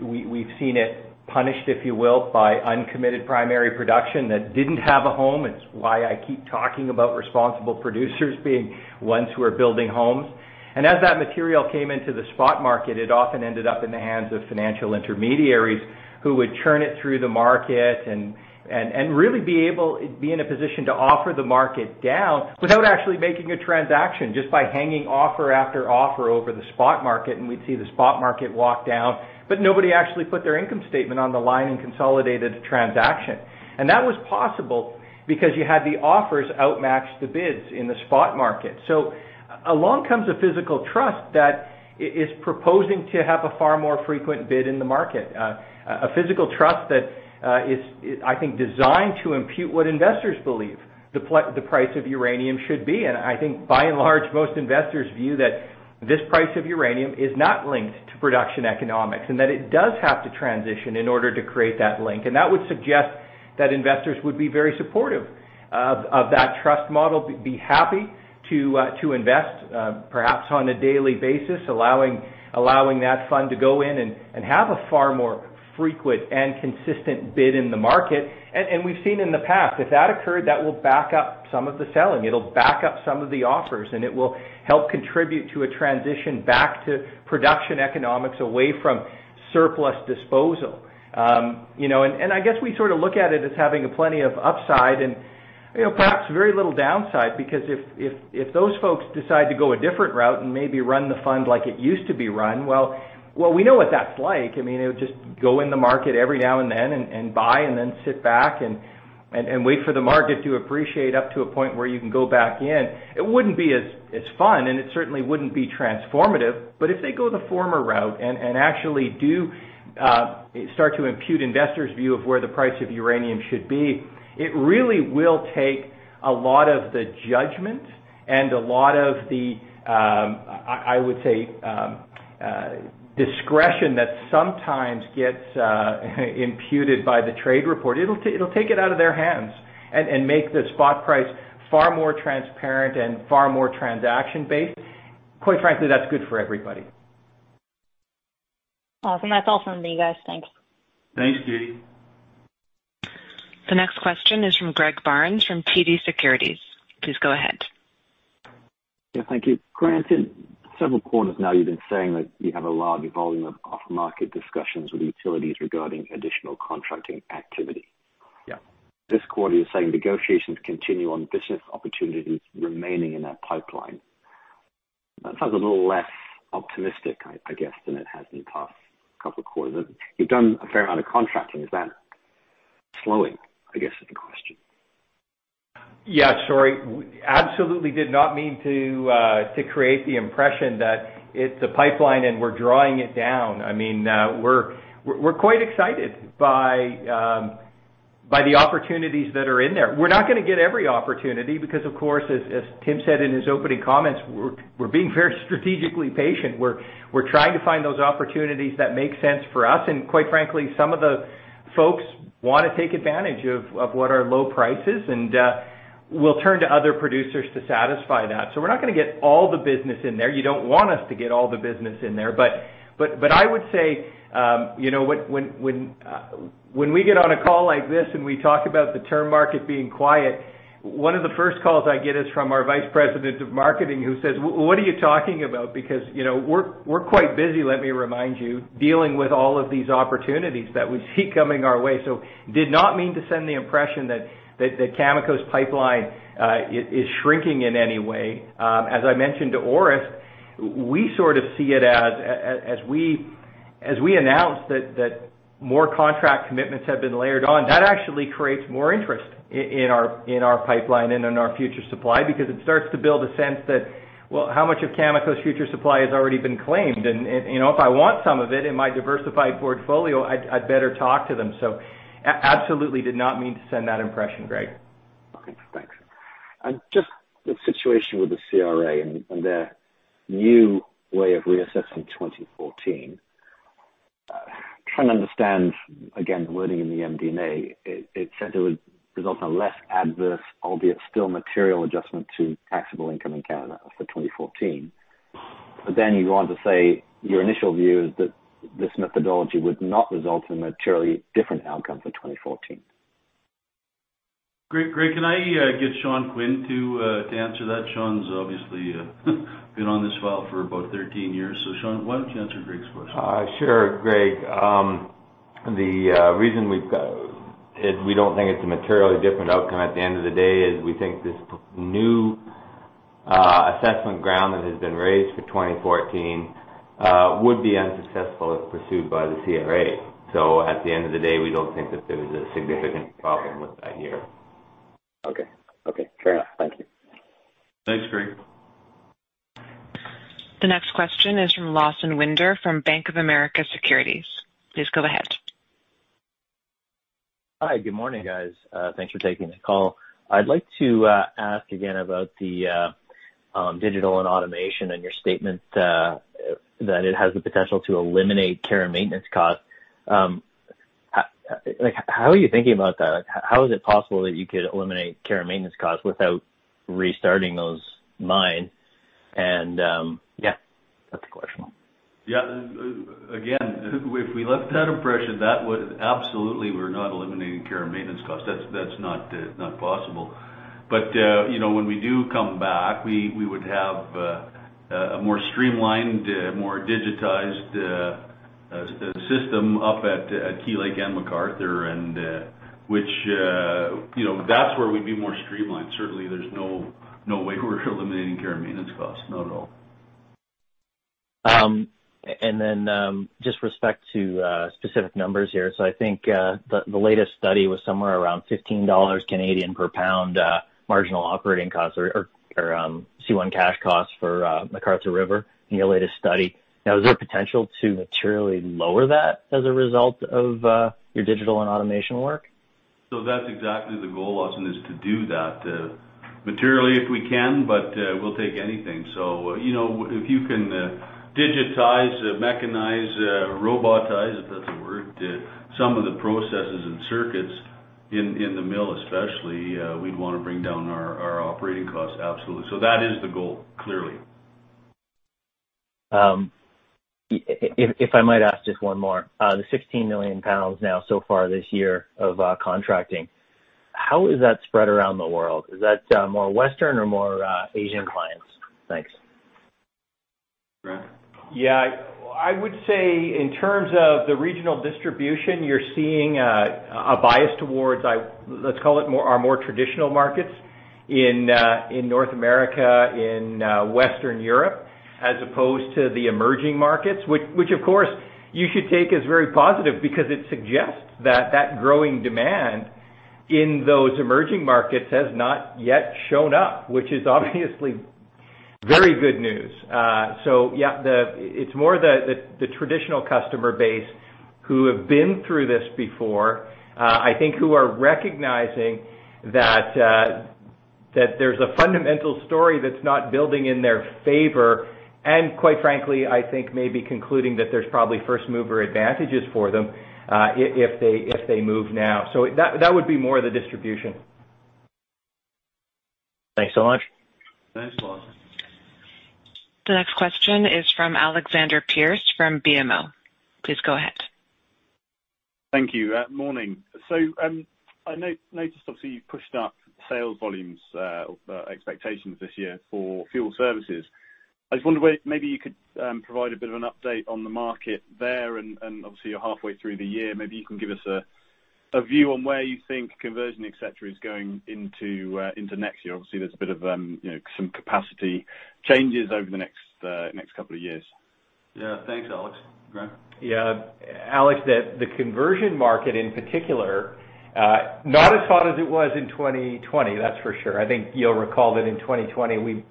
we've seen it punished, if you will, by uncommitted primary production that didn't have a home. It's why I keep talking about responsible producers being ones who are building homes. As that material came into the spot market, it often ended up in the hands of financial intermediaries who would churn it through the market and really be in a position to offer the market down without actually making a transaction, just by hanging offer after offer over the spot market, and we'd see the spot market lock down. Nobody actually put their income statement on the line and consolidated a transaction. That was possible because you had the offers outmatch the bids in the spot market. Along comes a physical trust that is proposing to have a far more frequent bid in the market. A physical trust that is, I think, designed to impute what investors believe the price of uranium should be. I think by and large, most investors view that this price of uranium is not linked to production economics, and that it does have to transition in order to create that link. That would suggest that investors would be very supportive of that trust model, be happy to invest perhaps on a daily basis, allowing that fund to go in and have a far more frequent and consistent bid in the market. We've seen in the past, if that occurred, that will back up some of the selling, it'll back up some of the offers, and it will help contribute to a transition back to production economics away from surplus disposal. I guess we sort of look at it as having plenty of upside and perhaps very little downside because if those folks decide to go a different route and maybe run the fund like it used to be run, well, we know what that's like. It would just go in the market every now and then and buy, and then sit back and wait for the market to appreciate up to a point where you can go back in. It wouldn't be as fun, and it certainly wouldn't be transformative. If they go the former route and actually do start to impute investors' view of where the price of uranium should be, it really will take a lot of the judgment and a lot of the, I would say, discretion that sometimes gets imputed by the trade report. It'll take it out of their hands and make the spot price far more transparent and far more transaction-based. Quite frankly, that's good for everybody. Awesome. That's all from me, guys. Thanks. Thanks, Katie. The next question is from Greg Barnes from TD Securities. Please go ahead. Yeah. Thank you. Grant, several quarters now, you've been saying that you have a large volume of off-market discussions with utilities regarding additional contracting activity. Yeah. This quarter, you're saying negotiations continue on business opportunities remaining in that pipeline. That sounds a little less optimistic, I guess, than it has in the past couple of quarters. You've done a fair amount of contracting. Is that slowing, I guess, is the question? Yeah, sorry. Absolutely did not mean to create the impression that it's a pipeline and we're drawing it down. We're quite excited by the opportunities that are in there. We're not going to get every opportunity because, of course, as Tim said in his opening comments, we're being very strategically patient. We're trying to find those opportunities that make sense for us, and quite frankly, some of the folks want to take advantage of what are low prices, and will turn to other producers to satisfy that. We're not going to get all the business in there. You don't want us to get all the business in there. I would say when we get on a call like this, and we talk about the term market being quiet, one of the first calls I get is from our vice president of marketing who says, "What are you talking about? Because we're quite busy, let me remind you, dealing with all of these opportunities that we see coming our way." Did not mean to send the impression that Cameco's pipeline is shrinking in any way. As I mentioned to Orest, as we announce that more contract commitments have been layered on, that actually creates more interest in our pipeline and in our future supply because it starts to build a sense that, well, how much of Cameco's future supply has already been claimed? And if I want some of it in my diversified portfolio, I'd better talk to them. Absolutely did not mean to send that impression, Greg. Okay, thanks. Just the situation with the CRA and their new way of reassessing 2014. Trying to understand, again, the wording in the MD&A. It said there would result in a less adverse, albeit still material, adjustment to taxable income in Canada for 2014. You go on to say your initial view is that this methodology would not result in a materially different outcome for 2014. Greg, can I get Sean Quinn to answer that? Sean's obviously been on this file for about 13 years. Sean, why don't you answer Greg's question? Sure, Greg. The reason we don't think it's a materially different outcome at the end of the day is we think this new assessment ground that has been raised for 2014 would be unsuccessful if pursued by the CRA. At the end of the day, we don't think that there is a significant problem with that year. Okay. Fair enough. Thank you. Thanks, Greg. The next question is from Lawson Winder from Bank of America Securities. Please go ahead. Hi. Good morning, guys. Thanks for taking the call. I'd like to ask again about the digital and automation, and your statement that it has the potential to eliminate care and maintenance costs. How are you thinking about that? How is it possible that you could eliminate care and maintenance costs without restarting those mines? Yeah, that's the question. Yeah. Again, if we left that impression, absolutely, we're not eliminating care and maintenance costs. That's not possible. When we do come back, we would have a more streamlined, more digitized system up at Key Lake and McArthur, and that's where we'd be more streamlined. Certainly, there's no way we're eliminating care and maintenance costs. Not at all. Just respect to specific numbers here. I think the latest study was somewhere around 15 Canadian dollars per pound marginal operating costs or C1 cash costs for McArthur River in your latest study. Is there potential to materially lower that as a result of your digital and automation work? That's exactly the goal, Lawson Winder, is to do that. Materially if we can, but we'll take anything. If you can digitize, mechanize, robotize, if that's a word, some of the processes and circuits in the mill especially, we'd want to bring down our operating costs, absolutely. That is the goal, clearly. If I might ask just one more. The 16 million lbs now so far this year of contracting, how is that spread around the world? Is that more Western or more Asian clients? Thanks. Grant? Yeah, I would say in terms of the regional distribution, you're seeing a bias towards, let's call it our more traditional markets in North America, in Western Europe, as opposed to the emerging markets, which of course you should take as very positive because it suggests that growing demand in those emerging markets has not yet shown up, which is obviously very good news. Yeah, it's more the traditional customer base who have been through this before, I think, who are recognizing that there's a fundamental story that's not building in their favor, and quite frankly, I think maybe concluding that there's probably first mover advantages for them if they move now. That would be more the distribution. Thanks so much. Thanks, Lawson Winder. The next question is from Alexander Pearce from BMO. Please go ahead. Thank you. Morning. I noticed, obviously, you've pushed up sales volumes of expectations this year for fuel services. I just wonder maybe you could provide a bit of an update on the market there and obviously you're halfway through the year, maybe you can give us a view on where you think conversion, et cetera, is going into next year. Obviously, there's a bit of some capacity changes over the next couple of years. Yeah. Thanks, Alex. Grant? Yeah. Alex, the conversion market in particular, not as hot as it was in 2020, that's for sure. I think you'll recall that in 2020,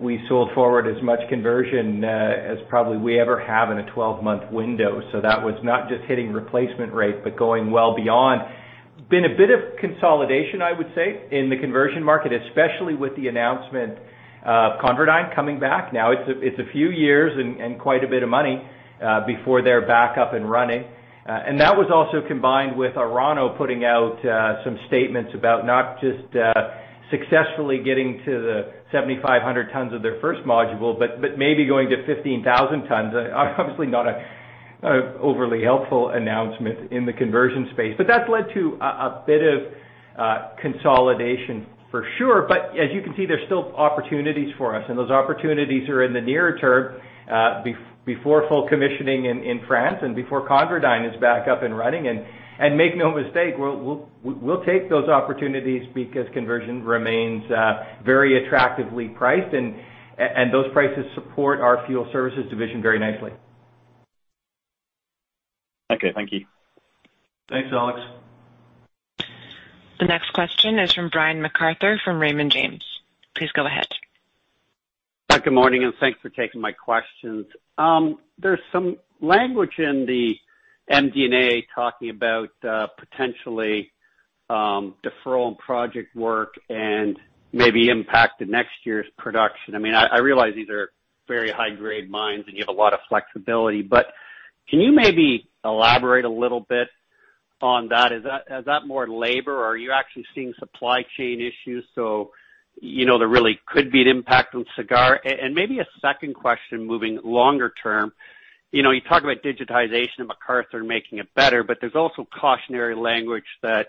we sold forward as much conversion as probably we ever have in a 12-month window. That was not just hitting replacement rate, but going well beyond. There has been a bit of consolidation, I would say, in the conversion market, especially with the announcement of ConverDyn coming back. Now it's a few years and quite a bit of money before they're back up and running. That was also combined with Orano putting out some statements about not just successfully getting to the 7,500 tons of their first module, but maybe going to 15,000 tons. Obviously not an overly helpful announcement in the conversion space. That's led to a bit of consolidation for sure. As you can see, there's still opportunities for us, and those opportunities are in the near term, before full commissioning in France and before ConverDyn is back up and running. Make no mistake, we'll take those opportunities because conversion remains very attractively priced, and those prices support our fuel services division very nicely. Okay. Thank you. Thanks, Alexander. The next question is from Brian MacArthur from Raymond James. Please go ahead. Good morning. Thanks for taking my questions. There's some language in the MD&A talking about potentially deferral in project work and maybe impact to next year's production. I realize these are very high-grade mines, and you have a lot of flexibility. Can you maybe elaborate a little bit on that? Is that more labor, or are you actually seeing supply chain issues, so there really could be an impact on Cigar? Maybe a second question, moving longer term. You talk about digitization of McArthur, making it better, but there's also cautionary language that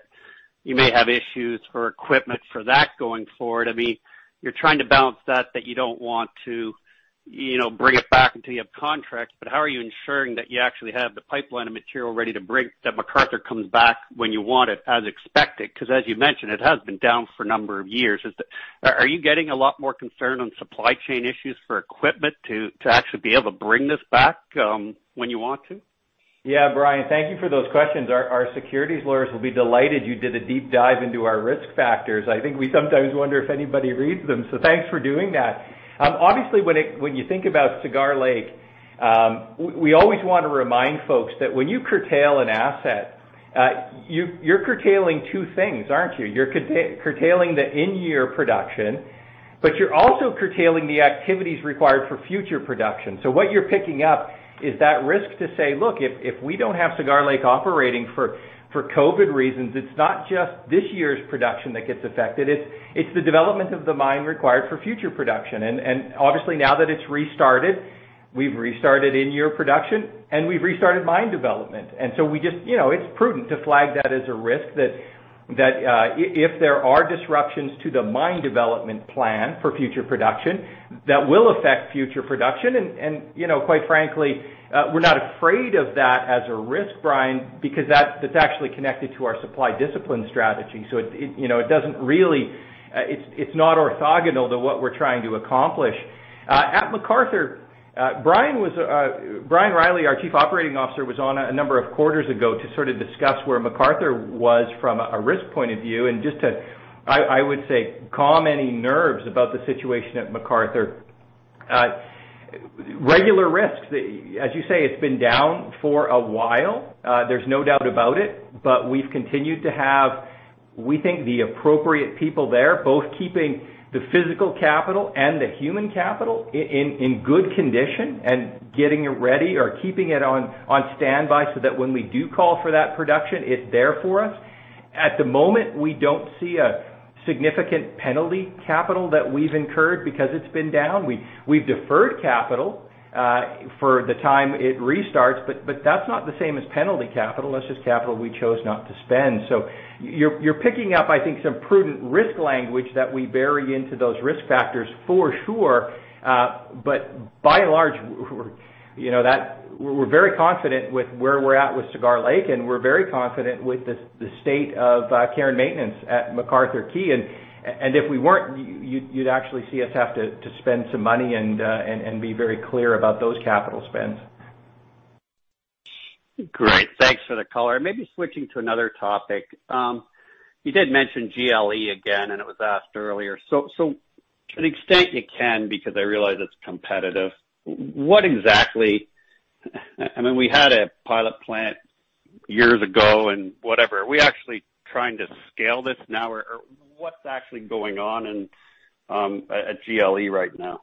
you may have issues for equipment for that going forward. You're trying to balance that you don't want to bring it back until you have contracts, but how are you ensuring that you actually have the pipeline of material ready that McArthur comes back when you want it as expected? As you mentioned, it has been down for a number of years. Are you getting a lot more concerned on supply chain issues for equipment to actually be able to bring this back when you want to? Yeah, Brian, thank you for those questions. Our securities lawyers will be delighted that you did a deep dive into our risk factors. I think we sometimes wonder if anybody reads them. Thanks for doing that. When you think about Cigar Lake, we always want to remind folks that when you curtail an asset, you're curtailing two things, aren't you? You're curtailing the in-year production. You're also curtailing the activities required for future production. What you're picking up is that risk to say, "Look, if we don't have Cigar Lake operating for COVID reasons, it's not just this year's production that gets affected. It's the development of the mine required for future production." Now that it's restarted, we've restarted in-year production, and we've restarted mine development. It's prudent to flag that as a risk that if there are disruptions to the mine development plan for future production, that will affect future production. Quite frankly, we're not afraid of that as a risk, Brian, because that's actually connected to our supply discipline strategy. It's not orthogonal to what we're trying to accomplish. At McArthur, Brian Reilly, our Chief Operating Officer, was on a number of quarters ago to sort of discuss where McArthur was from a risk point of view, and just to, I would say, calm any nerves about the situation at McArthur. Regular risks, as you say, it's been down for a while. There's no doubt about it. We've continued to have, we think, the appropriate people there, both keeping the physical capital and the human capital in good condition and getting it ready or keeping it on standby so that when we do call for that production, it's there for us. At the moment, we don't see a significant penalty capital that we've incurred because it's been down. We've deferred capital for the time it restarts, but that's not the same as penalty capital. That's just capital we chose not to spend. You're picking up, I think, some prudent risk language that we bury into those risk factors for sure. By and large, we're very confident with where we're at with Cigar Lake, and we're very confident with the state of care and maintenance at McArthur Key. If we weren't, you'd actually see us have to spend some money and be very clear about those capital spends. Great. Thanks for the color. Maybe switching to another topic. You did mention GLE again, and it was asked earlier. To the extent you can, because I realize it's competitive, I mean, we had a pilot plant years ago and whatever. Are we actually trying to scale this now, or what's actually going on at GLE right now?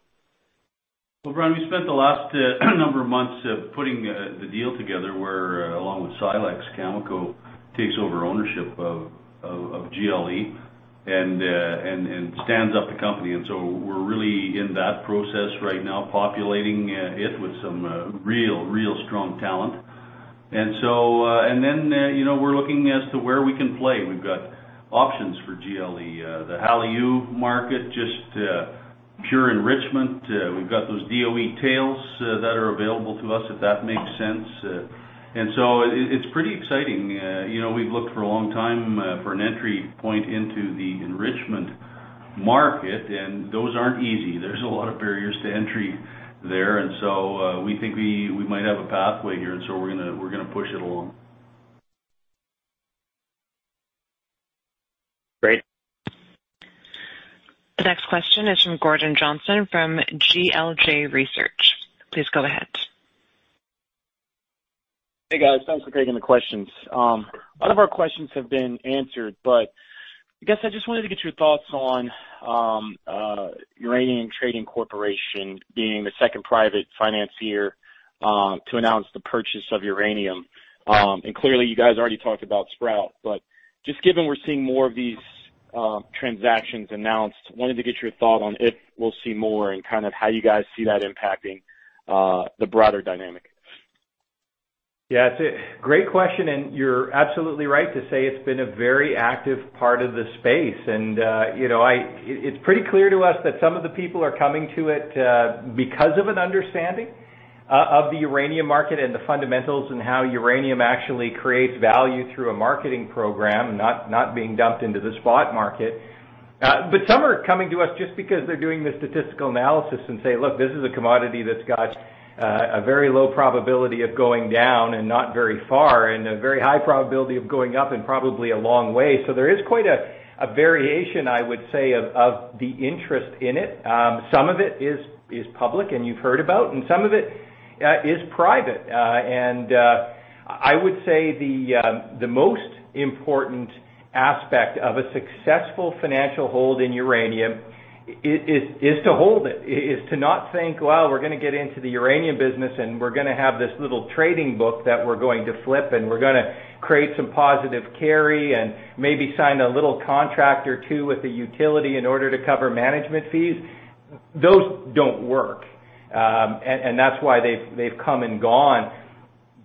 Brian, we spent the last number of months putting the deal together where, along with Silex, Cameco takes over ownership of GLE and stands up the company. We're really in that process right now, populating it with some real strong talent. We're looking as to where we can play. We've got options for GLE, then how you market just a pure enrichment. We've got those DOE Tails that are available to us, if that makes sense. It's pretty exciting. We've looked for a long time for an entry point into the enrichment market, and those aren't easy. There's a lot of barriers to entry there. We think we might have a pathway here, and so we're going to push it along. Great. The next question is from Gordon Johnson from GLJ Research. Please go ahead. Hey, guys. Thanks for taking the questions. A lot of our questions have been answered, but I guess I just wanted to get your thoughts on Uranium Trading Corporation being the second private financier to announce the purchase of uranium. Clearly, you guys already talked about Sprott, but just given we're seeing more of these transactions announced, I wanted to get your thought on if we'll see more and kind of how you guys see that impacting the broader dynamic. Yeah, it's a great question, and you're absolutely right to say it's been a very active part of the space. It's pretty clear to us that some of the people are coming to it because of an understanding of the uranium market and the fundamentals and how uranium actually creates value through a marketing program, not being dumped into the spot market. Some are coming to us just because they're doing the statistical analysis and say, "Look, this is a commodity that's got a very low probability of going down and not very far, and a very high probability of going up and probably a long way." There is quite a variation, I would say, of the interest in it. Some of it is public, and you've heard about, and some of it is private. I would say the most important aspect of a successful financial hold in uranium is to hold it, is to not think, "Well, we're going to get into the uranium business, and we're going to have this little trading book that we're going to flip, and we're going to create some positive carry and maybe sign a little contract or two with a utility in order to cover management fees." Those don't work, and that's why they've come and gone.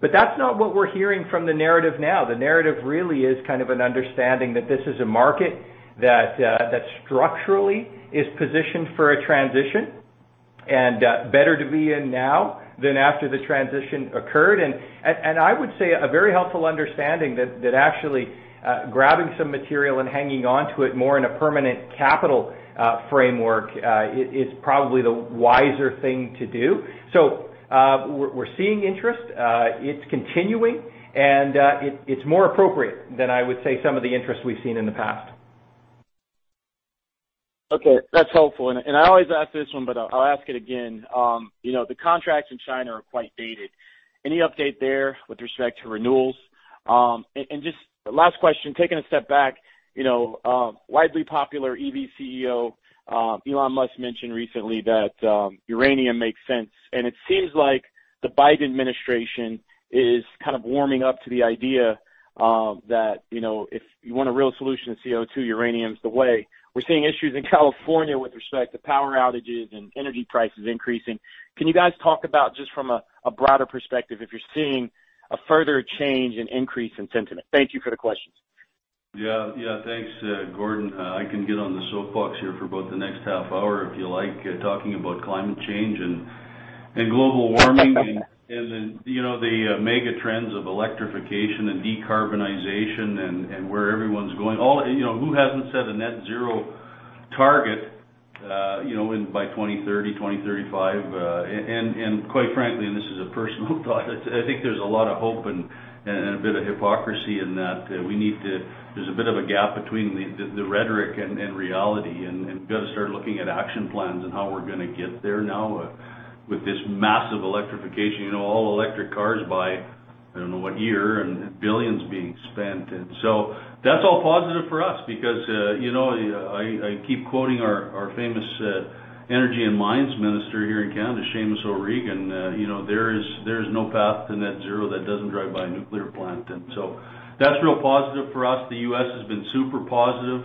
That's not what we're hearing from the narrative now. The narrative really is kind of an understanding that this is a market that structurally is positioned for a transition, and better to be in now than after the transition occurred. I would say a very helpful understanding that actually grabbing some material and hanging on to it more in a permanent capital framework is probably the wiser thing to do. We're seeing interest. It's continuing, and it's more appropriate than I would say some of the interest we've seen in the past. Okay, that's helpful. I always ask this one, but I'll ask it again. The contracts in China are quite dated. Any update there with respect to renewals? Just last question, taking a step back, widely popular EV CEO, Elon Musk, mentioned recently that uranium makes sense, and it seems like the Biden administration is kind of warming up to the idea that if you want a real solution to CO2, uranium is the way. We're seeing issues in California with respect to power outages and energy prices increasing. Can you guys talk about, just from a broader perspective, if you're seeing a further change in increase in sentiment? Thank you for the questions. Yeah. Thanks, Gordon. I can get on the soapbox here for about the next half hour if you like, talking about climate change and global warming and the mega trends of electrification and decarbonization and where everyone's going. Who hasn't set a net zero target by 2030, 2035? Quite frankly, and this is a personal thought, I think there's a lot of hope and a bit of hypocrisy in that there's a bit of a gap between the rhetoric and reality, and we've got to start looking at action plans and how we're going to get there now with this massive electrification. All electric cars by I don't know what year, and billions being spent. That's all positive for us because I keep quoting our famous energy and mines minister here in Canada, Seamus O'Regan, there is no path to net zero that doesn't drive by a nuclear plant. That's real positive for us. The U.S. has been super positive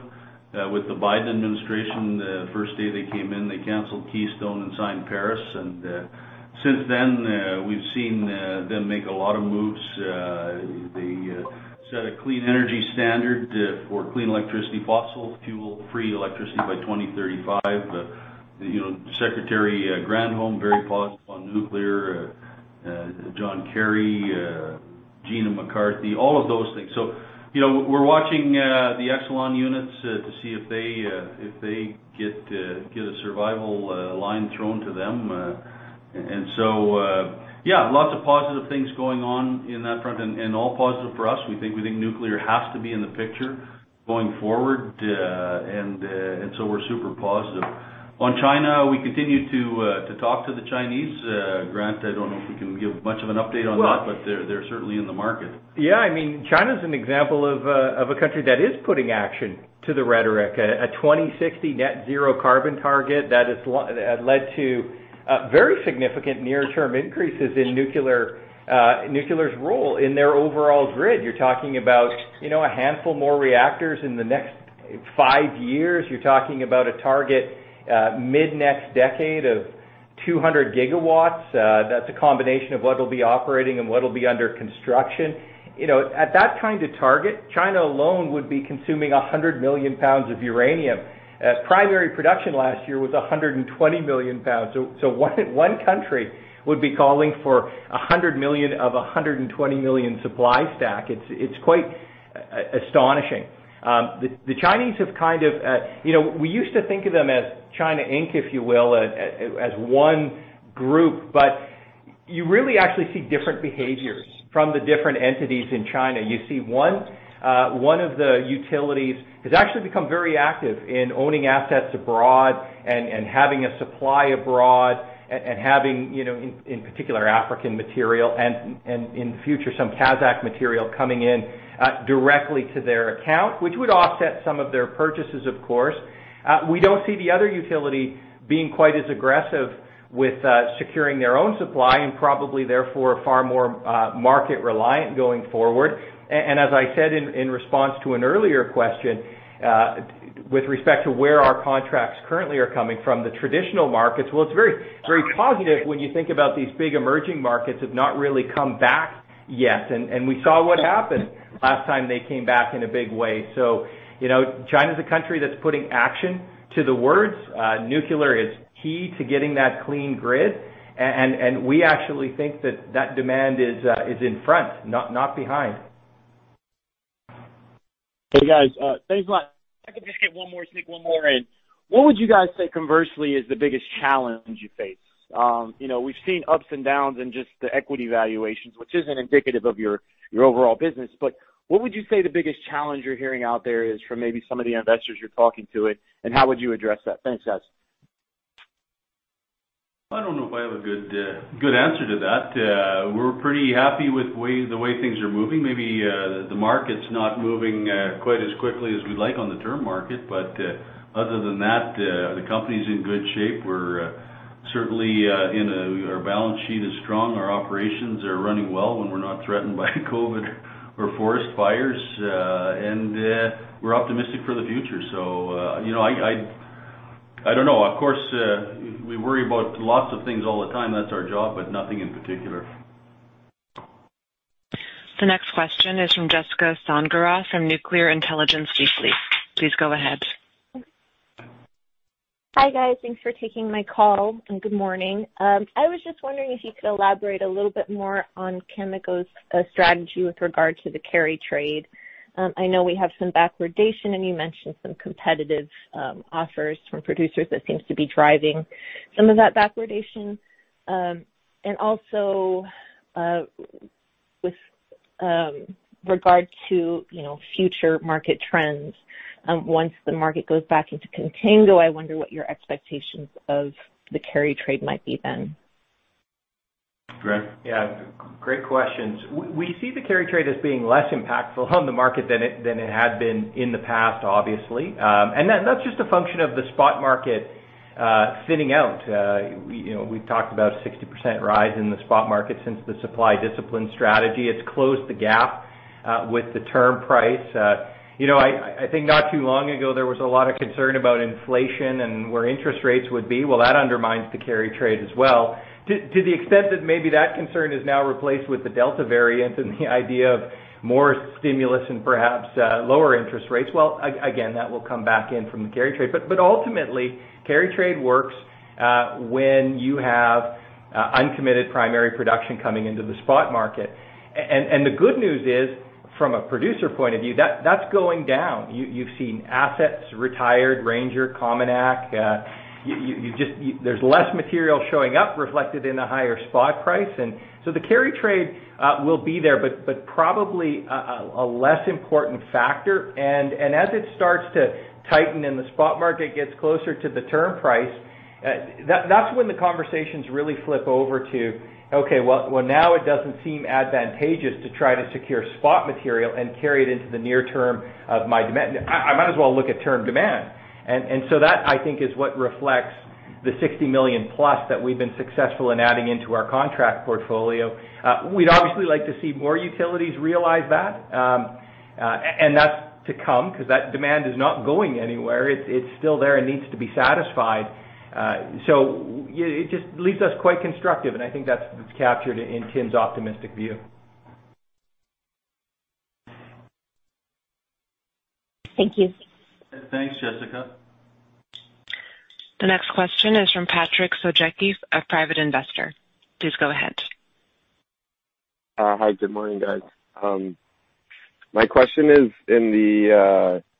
with the Biden administration. The first day they came in, they canceled Keystone and signed Paris, and since then, we've seen them make a lot of moves. They set a clean energy standard for clean electricity, fossil fuel-free electricity by 2035. Secretary Granholm, very positive on nuclear. John Kerry, Gina McCarthy, all of those things. We're watching the Exelon units to see if they get a survival line thrown to them. Yeah, lots of positive things going on in that front, and all positive for us. We think nuclear has to be in the picture going forward. We're super positive. On China, we continue to talk to the Chinese. Grant, I don't know if we can give much of an update on that, but they're certainly in the market. Yeah, China's an example of a country that is putting action to the rhetoric. A 2060 net-zero carbon target that has led to very significant near-term increases in nuclear's role in their overall grid. You're talking about a handful more reactors in the next five years. You're talking about a target mid-next decade of 200 GW. That's a combination of what'll be operating and what'll be under construction. At that kind of target, China alone would be consuming 100 million lbs of uranium. Primary production last year was 120 million lbs. One country would be calling for 100 million of 120 million supply stack. It's quite astonishing. We used to think of them as China, Inc., if you will, as one group, you really actually see different behaviors from the different entities in China. You see, one of the utilities has actually become very active in owning assets abroad and having a supply abroad and having, in particular African material and in the future some Kazakh material coming in directly to their account, which would offset some of their purchases, of course. We don't see the other utility being quite as aggressive with securing their own supply and probably therefore far more market reliant going forward. As I said in response to an earlier question with respect to where our contracts currently are coming from, the traditional markets, well, it's very positive when you think about these big emerging markets have not really come back yet, and we saw what happened last time they came back in a big way. China's a country that's putting action to the words. Nuclear is key to getting that clean grid, and we actually think that that demand is in front, not behind. Okay, guys. Thanks a lot. If I could just get one more sneak in. What would you guys say conversely, is the biggest challenge you face? We've seen ups and downs in just the equity valuations, which isn't indicative of your overall business, but what would you say the biggest challenge you're hearing out there is from maybe some of the investors you're talking to, and how would you address that? Thanks, guys. I don't know if I have a good answer to that. We're pretty happy with the way things are moving. Maybe the market's not moving quite as quickly as we'd like on the term market. Other than that the company's in good shape. Our balance sheet is strong, our operations are running well when we're not threatened by COVID or forest fires and we're optimistic for the future. I don't know. Of course, we worry about lots of things all the time. That's our job, but nothing in particular. The next question is from Jessica Sondgeroth from Nuclear Intelligence Weekly. Please go ahead. Hi, guys. Thanks for taking my call, and good morning. I was just wondering if you could elaborate a little bit more on Cameco's strategy with regard to the carry trade. I know we have some backwardation; you mentioned some competitive offers from producers that seem to be driving some of that backwardation. Also, with regard to future market trends, once the market goes back into contango, I wonder what your expectations of the carry trade might be then. Grant? Yeah. Great questions. We see the carry trade as being less impactful on the market than it had been in the past, obviously. That's just a function of the spot market thinning out. We've talked about a 60% rise in the spot market since the supply discipline strategy. It's closed the gap with the term price. I think not too long ago, there was a lot of concern about inflation and where interest rates would be. Well, that undermines the carry trade as well. To the extent that maybe that concern is now replaced with the Delta variant and the idea of more stimulus and perhaps lower interest rates, well, again, that will come back in from the carry trade. Ultimately, carry trade works when you have uncommitted primary production coming into the spot market. The good news is, from a producer point of view, that's going down. You've seen assets retired, Ranger, Cominak. There's less material showing up reflected in the higher spot price. The carry trade will be there, but probably a less important factor. As it starts to tighten and the spot market gets closer to the term price, that's when the conversations really flip over to, okay, well now it doesn't seem advantageous to try to secure spot material and carry it into the near term of my demand. I might as well look at term demand. That, I think, is what reflects the +60 million that we've been successful in adding into our contract portfolio. We'd obviously like to see more utilities realize that, and that's to come because that demand is not going anywhere. It's still there and needs to be satisfied. It just leaves us quite constructive, and I think that is captured in Tim's optimistic view. Thank you. Thanks, Jessica. The next question is from Patrick Sojecki, a private investor. Please go ahead. Hi. Good morning, guys. My question is in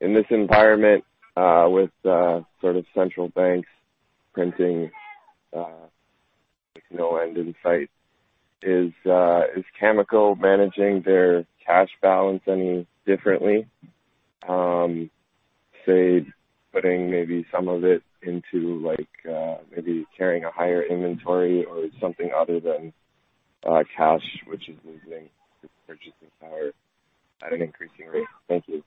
this environment with sort of central banks printing with no end in sight, is Cameco managing their cash balance any differently? Say, putting maybe some of it into maybe carrying a higher inventory or something other than cash, which is losing its purchasing power at an increasing rate. Thank you.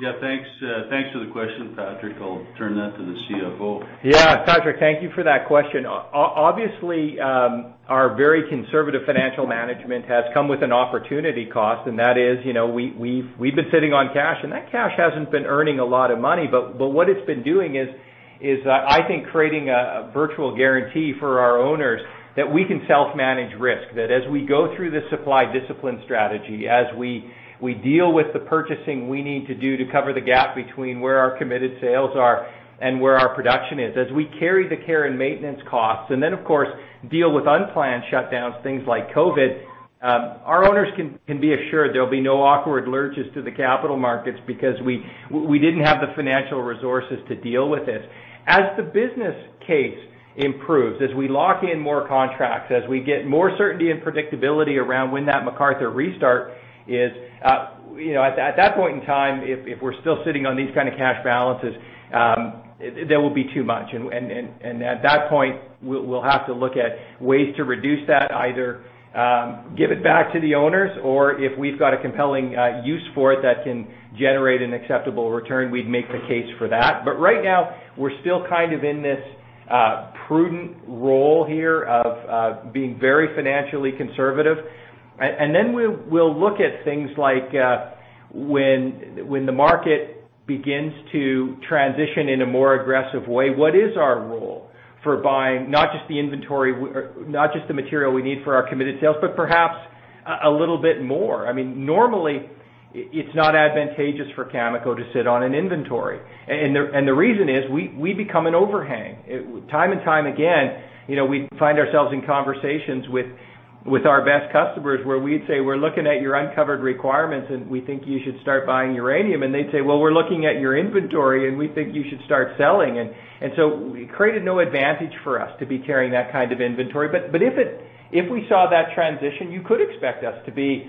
Yeah. Thanks for the question, Patrick. I'll turn that to the CFO. Yeah, Patrick, thank you for that question. Obviously, our very conservative financial management has come with an opportunity cost, and that is we've been sitting on cash, and that cash hasn't been earning a lot of money. What it's been doing is I think creating a virtual guarantee for our owners that we can self-manage risk. That as we go through the supply discipline strategy, as we deal with the purchasing we need to do to cover the gap between where our committed sales are and where our production is, as we carry the care and maintenance costs and then, of course, deal with unplanned shutdowns, things like COVID-19, our owners can be assured there'll be no awkward lurches to the capital markets because we didn't have the financial resources to deal with this. As the business case improves, as we lock in more contracts, as we get more certainty and predictability around when that McArthur restart is, at that point in time, if we're still sitting on these kinds of cash balances, there will be too much. At that point, we'll have to look at ways to reduce that, either give it back to the owners or if we've got a compelling use for it that can generate an acceptable return, we'd make the case for that. Right now, we're still kind of in this prudent role here of being very financially conservative. Then we'll look at things like when the market begins to transition in a more aggressive way, what is our role for buying not just the material we need for our committed sales, but perhaps a little bit more. I mean, normally, it's not advantageous for Cameco to sit on an inventory. The reason is we become an overhang. Time and time again, we find ourselves in conversations with our best customers where we'd say, "We're looking at your uncovered requirements, and we think you should start buying uranium." They'd say, "Well, we're looking at your inventory, and we think you should start selling." It created no advantage for us to be carrying that kind of inventory. If we saw that transition, you could expect us to be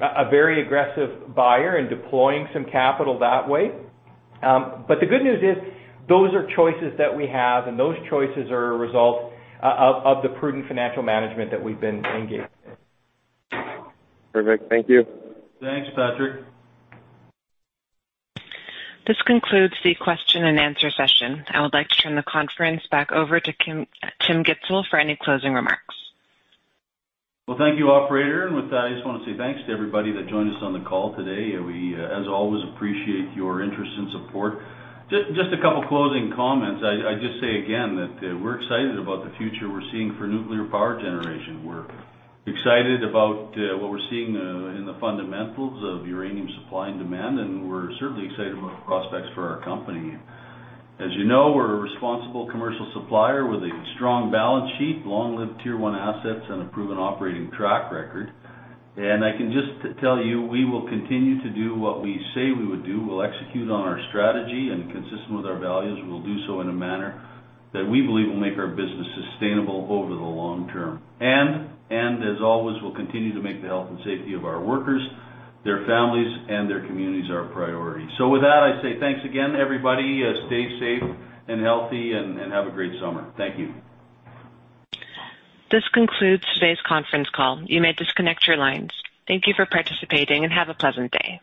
a very aggressive buyer and deploying some capital that way. The good news is those are choices that we have, and those choices are a result of the prudent financial management that we've been engaged in. Perfect. Thank you. Thanks, Patrick. This concludes the question-and-answer session. I would like to turn the conference back over to Tim Gitzel for any closing remarks. Well, thank you, operator. With that, I just want to say thanks to everybody that joined us on the call today. We, as always, appreciate your interest and support. Just a couple closing comments. I just say again that we're excited about the future we're seeing for nuclear power generation. We're excited about what we're seeing in the fundamentals of uranium supply and demand, and we're certainly excited about the prospects for our company. As you know, we're a responsible commercial supplier with a strong balance sheet, long-lived tier-1 assets, and a proven operating track record. I can just tell you we will continue to do what we say we would do. We'll execute on our strategy and consistent with our values, we will do so in a manner that we believe will make our business sustainable over the long term. As always, we'll continue to make the health and safety of our workers, their families, and their communities our priority. With that, I say thanks again, everybody. Stay safe and healthy, and have a great summer. Thank you. This concludes today's conference call. You may disconnect your lines. Thank you for participating and have a pleasant day.